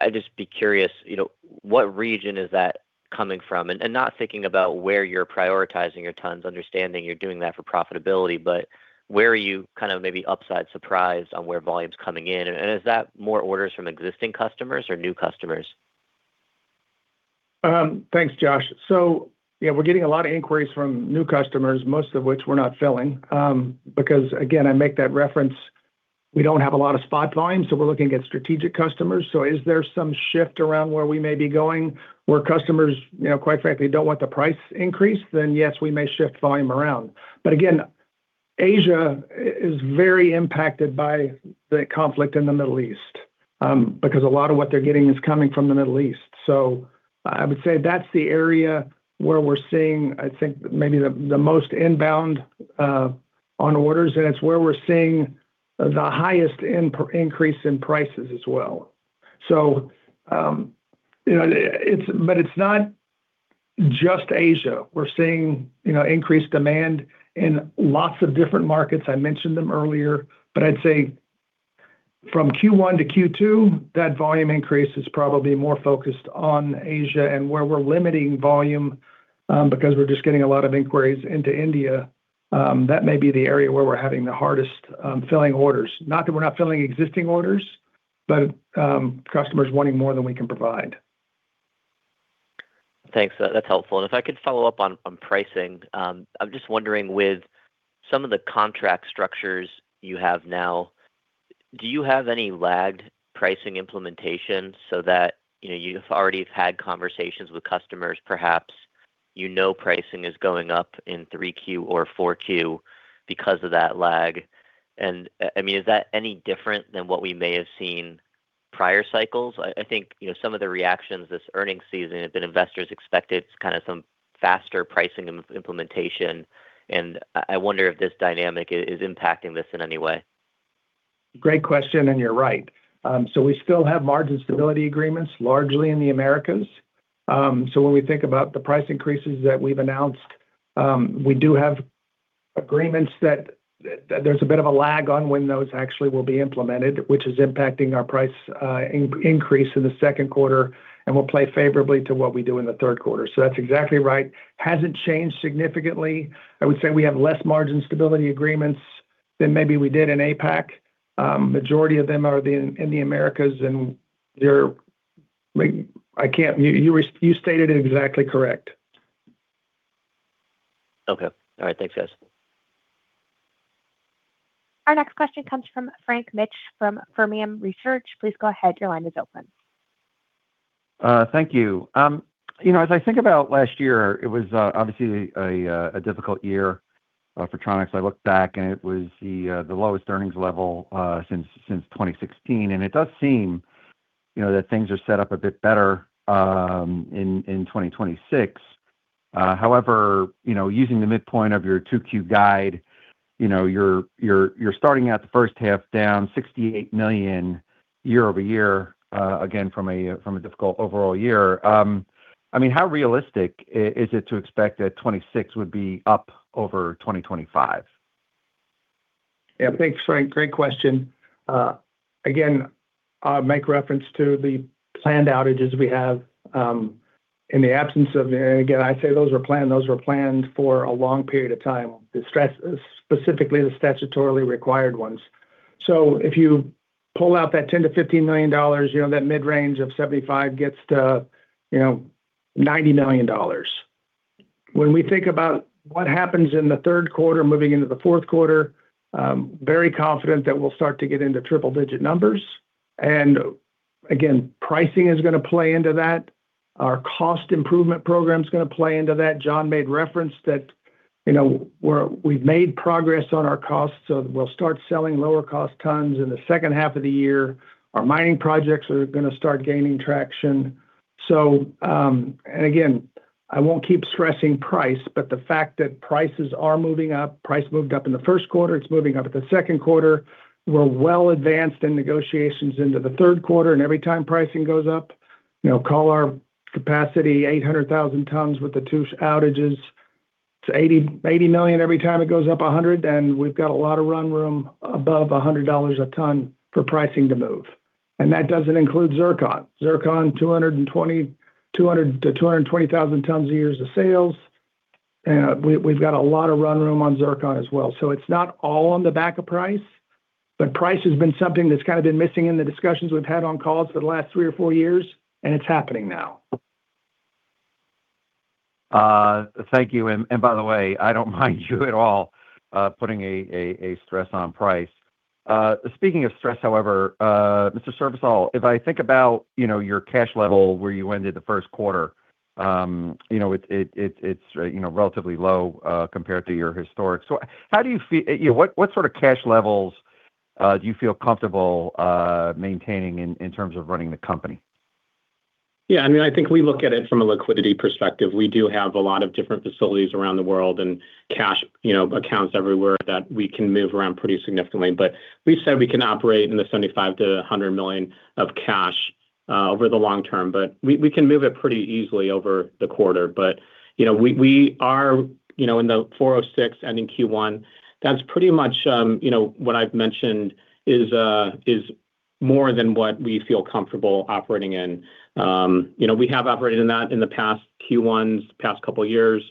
I'd just be curious, you know, what region is that coming from? Not thinking about where you're prioritizing your tons, understanding you're doing that for profitability, but where are you kind of maybe upside surprised on where volume's coming in? Is that more orders from existing customers or new customers? Thanks, Josh. Yeah, we're getting a lot of inquiries from new customers, most of which we're not filling, because again, I make that reference, we don't have a lot of spot volume, so we're looking at strategic customers. Is there some shift around where we may be going, where customers, you know, quite frankly don't want the price increase? Yes, we may shift volume around. Again, Asia is very impacted by the conflict in the Middle East, because a lot of what they're getting is coming from the Middle East. I would say that's the area where we're seeing, I think, maybe the most inbound on orders, and it's where we're seeing the highest increase in prices as well. You know, it's not just Asia. We're seeing, you know, increased demand in lots of different markets. I mentioned them earlier. I'd say from Q1 to Q2, that volume increase is probably more focused on Asia and where we're limiting volume, because we're just getting a lot of inquiries into India. That may be the area where we're having the hardest, filling orders. Not that we're not filling existing orders, but, customers wanting more than we can provide. Thanks. That's helpful. If I could follow up on pricing. I'm just wondering with some of the contract structures you have now, do you have any lagged pricing implementation so that, you know, you've already have had conversations with customers, perhaps, you know, pricing is going up in 3Q or 4Q because of that lag? I mean, is that any different than what we may have seen prior cycles? I think, you know, some of the reactions this earning season have been investors expected kind of some faster pricing implementation, and I wonder if this dynamic is impacting this in any way. Great question. You're right. We still have margin stability agreements largely in the Americas. When we think about the price increases that we've announced, we do have agreements that there's a bit of a lag on when those actually will be implemented, which is impacting our price increase in the second quarter, and will play favorably to what we do in the third quarter. That's exactly right. Hasn't changed significantly. I would say we have less margin stability agreements than maybe we did in APAC. Majority of them are in the Americas, and they're I mean, I can't. You stated it exactly correct. Okay. All right, thanks guys. Our next question comes from Frank Mitsch from Fermium Research. Please go ahead, your line is open. Thank you. You know, as I think about last year, it was obviously a difficult year for Tronox. I look back and it was the lowest earnings level since 2016. It does seem, you know, that things are set up a bit better in 2026. However, you know, using the midpoint of your 2Q guide, you're starting out the first half down $68 million year-over-year, again, from a difficult overall year. I mean, how realistic is it to expect that 2026 would be up over 2025? Thanks, Frank. Great question. Again, I'll make reference to the planned outages we have. Again, I'd say those were planned for a long period of time. Specifically the statutorily required ones. If you pull out that $10 million-$15 million, you know, that mid-range of $75 million gets to, you know, $90 million. When we think about what happens in the third quarter moving into the fourth quarter, very confident that we'll start to get into triple digit numbers. Again, pricing is gonna play into that. Our cost improvement program's gonna play into that. John made reference that, you know, we've made progress on our costs, we'll start selling lower cost tons in the second half of the year. Our mining projects are gonna start gaining traction. Again, I won't keep stressing price, but the fact that prices are moving up, price moved up in the first quarter, it's moving up in the second quarter. We're well advanced in negotiations into the third quarter, and every time pricing goes up, call our capacity 800,000 tons with the two outages, to $80 million every time it goes up $100, then we've got a lot of run room above $100 a ton for pricing to move. That doesn't include zircon. Zircon, 200,000 tons-220,000 tons of years of sales. We've got a lot of run room on zircon as well. It's not all on the back of price, but price has been something that's kinda been missing in the discussions we've had on calls for the last 3 or 4 years, and it's happening now. Thank you. By the way, I don't mind you at all putting a stress on price. Speaking of stress, however, Mr. Srivisal, if I think about, you know, your cash level where you ended the first quarter, you know, it's, you know, relatively low compared to your historic. How do you feel? You know, what sort of cash levels do you feel comfortable maintaining in terms of running the company? I mean, I think we look at it from a liquidity perspective. We do have a lot of different facilities around the world and cash, you know, accounts everywhere that we can move around pretty significantly. We've said we can operate in the $75 million-$100 million of cash over the long term. We can move it pretty easily over the quarter. You know, we are, you know, in the $406 million and in Q1, that's pretty much, you know, what I've mentioned is more than what we feel comfortable operating in. You know, we have operated in that in the past Q1s, past couple years.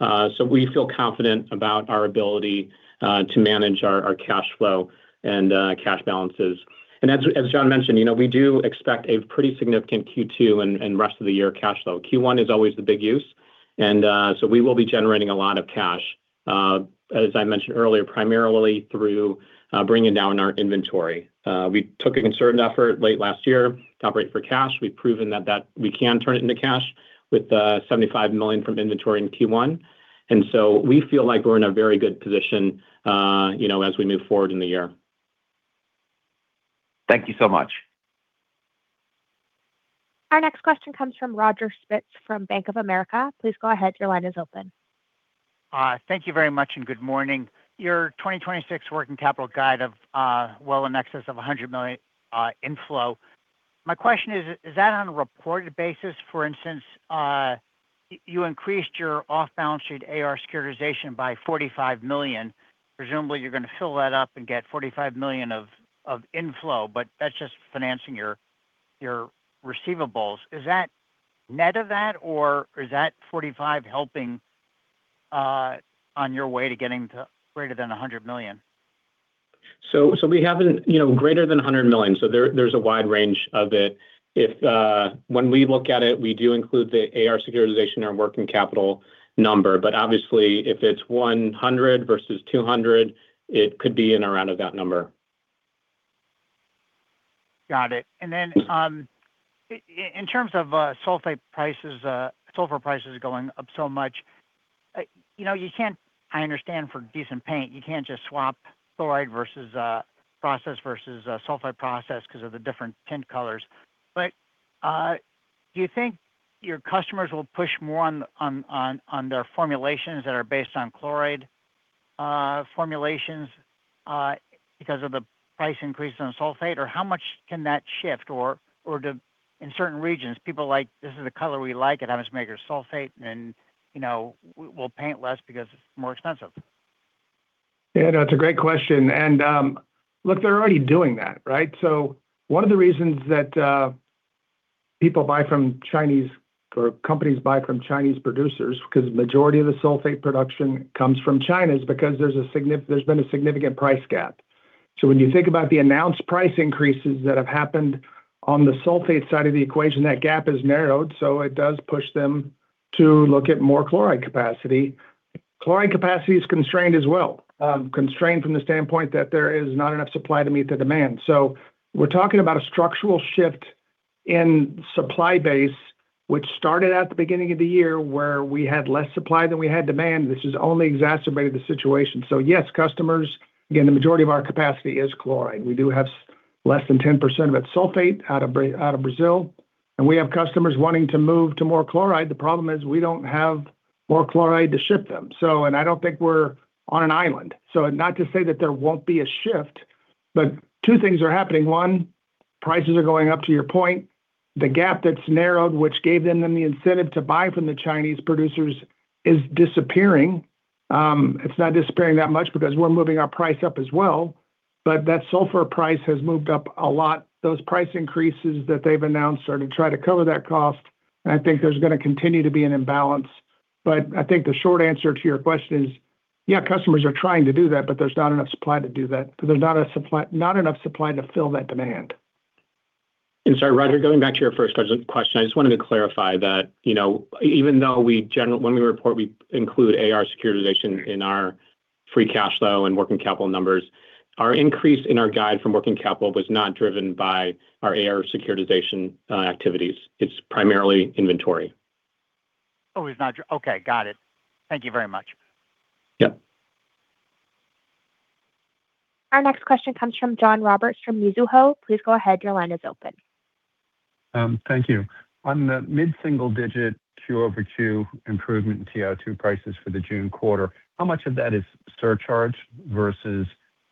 We feel confident about our ability to manage our cash flow and cash balances. As John mentioned, you know, we do expect a pretty significant Q2 and rest of the year cash flow. Q1 is always the big use, and we will be generating a lot of cash. As I mentioned earlier, primarily through bringing down our inventory. We took a concerted effort late last year to operate for cash. We've proven that we can turn it into cash with $75 million from inventory in Q1. We feel like we're in a very good position, you know, as we move forward in the year. Thank you so much. Our next question comes from Roger Spitz from Bank of America. Please go ahead, your line is open. Thank you very much, and good morning. Your 2026 working capital guide of well in excess of $100 million inflow. My question is that on a reported basis? For instance, you increased your off-balance sheet AR securitization by $45 million. Presumably you're going to fill that up and get $45 million of inflow, but that's just financing your receivables. Is that net of that, or is that $45 helping on your way to getting to greater than $100 million? We have an, you know, greater than $100 million, there's a wide range of it. When we look at it, we do include the AR securitization and working capital number. Obviously, if it's $100 million versus $200 millon, it could be in and around of that number. Got it. Then in terms of sulfate prices, sulfur prices going up so much, you know, you can't, I understand for decent paint, you can't just swap chloride process versus a sulfate process 'cause of the different tint colors. Do you think your customers will push more on their formulations that are based on chloride formulations? Because of the price increase on sulfate, or how much can that shift? Do in certain regions people are like, "This is the color we like at how much you make your sulfate," and you know, we'll paint less because it's more expensive? Yeah, no, it's a great question. Look, they're already doing that, right? One of the reasons that people buy from Chinese, or companies buy from Chinese producers, 'cause majority of the sulfate production comes from China, is because there's been a significant price gap. When you think about the announced price increases that have happened on the sulfate side of the equation, that gap has narrowed, so it does push them to look at more chloride capacity. Chloride capacity is constrained as well. Constrained from the standpoint that there is not enough supply to meet the demand. We're talking about a structural shift in supply base, which started at the beginning of the year where we had less supply than we had demand. This has only exacerbated the situation. Yes, customers. Again, the majority of our capacity is chloride. We do have less than 10% of it sulfate out of Brazil, and we have customers wanting to move to more chloride. The problem is we don't have more chloride to ship them. I don't think we're on an island. Not to say that there won't be a shift, but two things are happening. One, prices are going up, to your point. The gap that's narrowed, which gave them then the incentive to buy from the Chinese producers, is disappearing. It's not disappearing that much because we're moving our price up as well, but that sulfur price has moved up a lot. Those price increases that they've announced are to try to cover that cost, and I think there's gonna continue to be an imbalance. I think the short answer to your question is, yeah, customers are trying to do that, but there's not enough supply to do that. There's not enough supply to fill that demand. Sorry, Roger, going back to your first question. I just wanted to clarify that, you know, even though we when we report we include AR securitization in our free cash flow and working capital numbers, our increase in our guide from working capital was not driven by our AR securitization activities. It is primarily inventory. Oh, it's not okay. Got it. Thank you very much. Yep. Our next question comes from John Roberts from Mizuho. Please go ahead, your line is open. Thank you. On the mid-single-digit Q2 improvement in TiO2 prices for the June quarter, how much of that is surcharge versus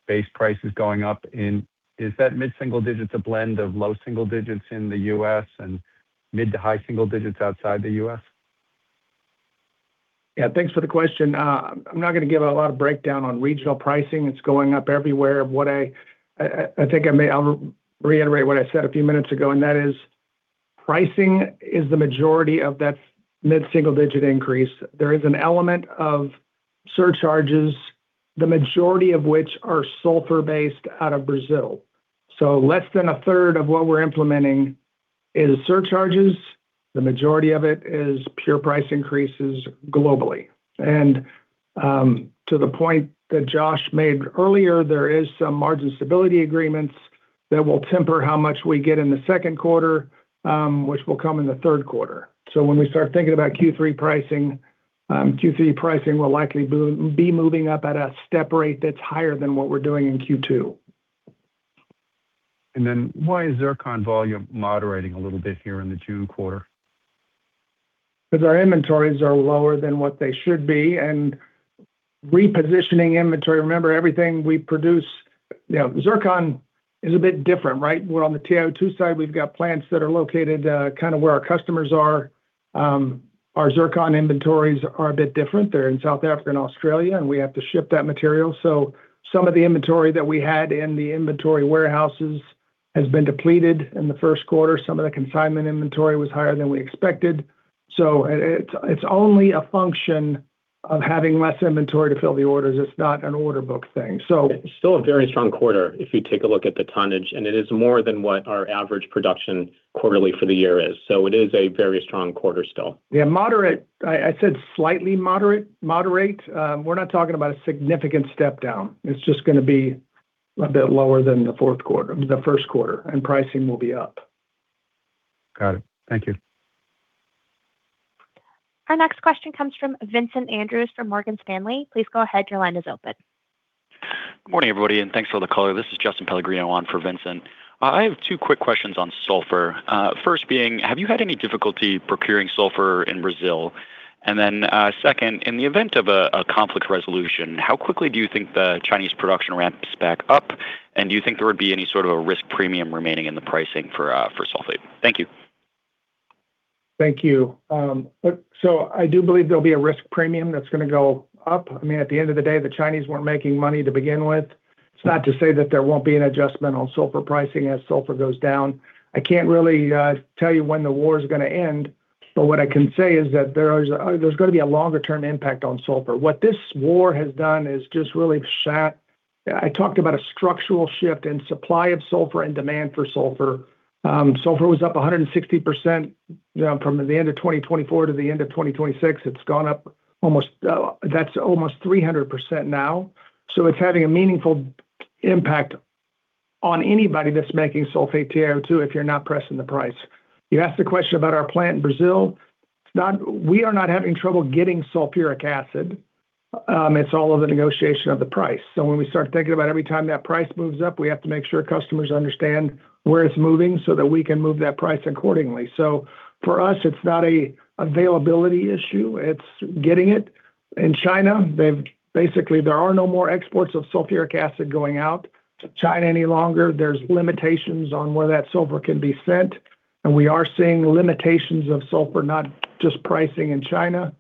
base prices going up in? Is that mid-single-digits a blend of low-single-digits in the U.S. and mid-to-high-single-digits outside the U.S.? Yeah. Thanks for the question. I'm not gonna give a lot of breakdown on regional pricing. It's going up everywhere. I'll reiterate what I said a few minutes ago, and that is pricing is the majority of that mid-single digit increase. There is an element of surcharges, the majority of which are sulfur-based out of Brazil. Less than a third of what we're implementing is surcharges. The majority of it is pure price increases globally. To the point that Josh made earlier, there is some margin stability agreements that will temper how much we get in the second quarter, which will come in the third quarter. When we start thinking about Q3 pricing, Q3 pricing will likely be moving up at a step rate that's higher than what we're doing in Q2. Why is Zircon volume moderating a little bit here in the June quarter? Our inventories are lower than what they should be, and repositioning inventory, remember everything we produce You know, zircon is a bit different, right? We're on the TiO2 side, we've got plants that are located, kind of where our customers are. Our zircon inventories are a bit different. They're in South Africa and Australia, and we have to ship that material. Some of the inventory that we had in the inventory warehouses has been depleted in the first quarter. Some of the consignment inventory was higher than we expected. It's only a function of having less inventory to fill the orders. It's not an order book thing. It's still a very strong quarter if you take a look at the tonnage, and it is more than what our average production quarterly for the year is. It is a very strong quarter still. Yeah, moderate. I said slightly moderate. We're not talking about a significant step down. It's just gonna be a bit lower than the fourth quarter, the first quarter, and pricing will be up. Got it. Thank you. Our next question comes from Vincent Andrews from Morgan Stanley. Please go ahead, your line is open. Good morning, everybody, thanks for the color. This is Justin Pellegrino on for Vincent. I have two quick questions on sulfur. First being, have you had any difficulty procuring sulfur in Brazil? Second, in the event of a conflict resolution, how quickly do you think the Chinese production ramps back up? Do you think there would be any sort of a risk premium remaining in the pricing for sulfate? Thank you. Thank you. Look, I do believe there'll be a risk premium that's gonna go up. I mean, at the end of the day, the Chinese weren't making money to begin with. It's not to say that there won't be an adjustment on sulfur pricing as sulfur goes down. I can't really tell you when the war's gonna end, but what I can say is that there is there's gonna be a longer term impact on sulfur. What this war has done is just really said I talked about a structural shift in supply of sulfur and demand for sulfur. Sulfur was up 160%, you know, from the end of 2024 to the end of 2026. It's gone up almost, that's almost 300% now. It's having a meaningful impact on anybody that's making sulfate TiO2 if you're not pressing the price. You asked the question about our plant in Brazil. We are not having trouble getting sulfuric acid. It's all in the negotiation of the price. When we start thinking about every time that price moves up, we have to make sure customers understand where it's moving so that we can move that price accordingly. For us, it's not a availability issue, it's getting it. In China, there are no more exports of sulfuric acid going out to China any longer. There are limitations on where that sulfur can be sent. We are seeing limitations of sulfur, not just pricing in China.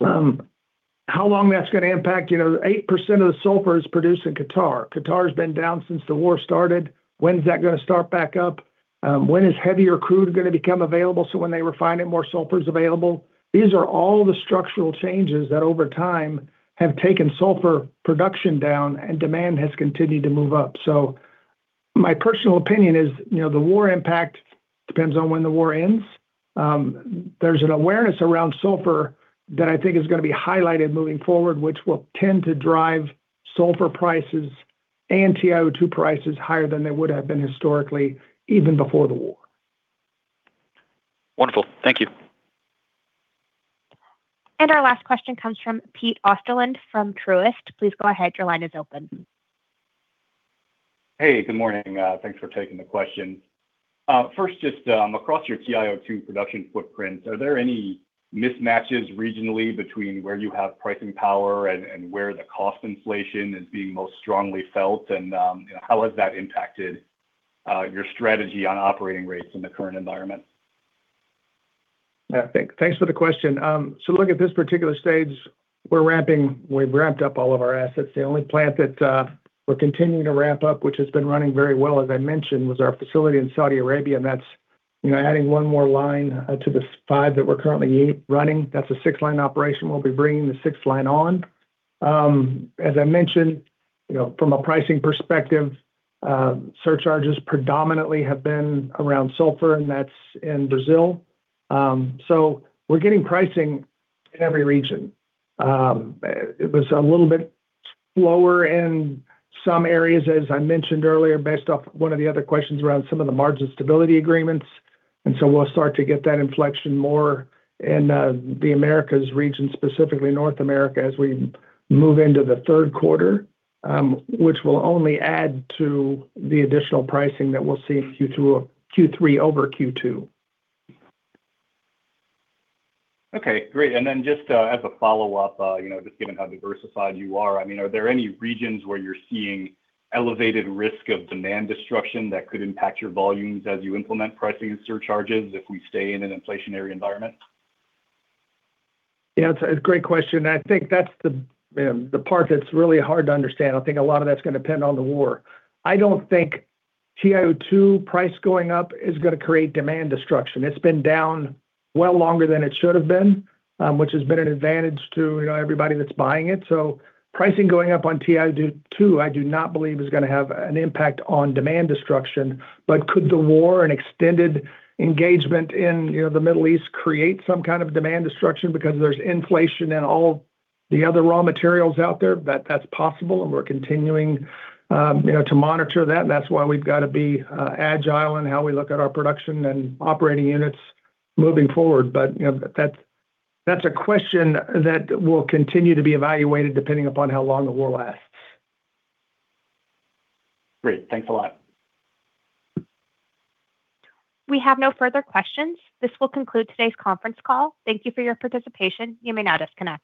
How long that's gonna impact, you know, 8% of the sulfur is produced in Qatar. Qatar's been down since the war started. When's that gonna start back up? When is heavier crude gonna become available, so when they refine it, more sulfur's available? These are all the structural changes that over time have taken sulfur production down, and demand has continued to move up. My personal opinion is, you know, the war impact depends on when the war ends. There's an awareness around sulfur that I think is gonna be highlighted moving forward, which will tend to drive sulfur prices and TiO2 prices higher than they would have been historically, even before the war. Wonderful. Thank you. Our last question comes from Peter Osterland from Truist. Please go ahead, your line is open. Hey, good morning. Thanks for taking the question. First just across your TiO2 production footprint, are there any mismatches regionally between where you have pricing power and where the cost inflation is being most strongly felt? How has that impacted your strategy on operating rates in the current environment? Thanks for the question. Look, at this particular stage we've ramped up all of our assets. The only plant that we're continuing to ramp up, which has been running very well, as I mentioned, was our facility in Saudi Arabia, and that's, you know, adding one more line to the five that we're currently running. That's a six-line operation. We'll be bringing the sixth line on. As I mentioned, you know, from a pricing perspective, surcharges predominantly have been around sulfur, and that's in Brazil. We're getting pricing in every region. It was a little bit slower in some areas, as I mentioned earlier, based off one of the other questions around some of the margin stability agreements. We'll start to get that inflection more in the Americas region, specifically North America, as we move into the third quarter, which will only add to the additional pricing that we'll see in Q3 over Q2. Okay. Great. Then just, as a follow-up, you know, just given how diversified you are, I mean, are there any regions where you're seeing elevated risk of demand destruction that could impact your volumes as you implement pricing and surcharges if we stay in an inflationary environment? Yeah, it's a great question. I think that's the part that's really hard to understand. I think a lot of that's gonna depend on the war. I don't think TiO2 price going up is gonna create demand destruction. It's been down well longer than it should have been, which has been an advantage to, you know, everybody that's buying it. Pricing going up on TiO2 I do not believe is gonna have an impact on demand destruction. Could the war, an extended engagement in, you know, the Middle East create some kind of demand destruction because there's inflation in all the other raw materials out there? That's possible, and we're continuing, you know, to monitor that, and that's why we've got to be agile in how we look at our production and operating units moving forward. You know, that's a question that will continue to be evaluated depending upon how long the war lasts. Great. Thanks a lot. We have no further questions. This will conclude today's conference call. Thank you for your participation. You may now disconnect.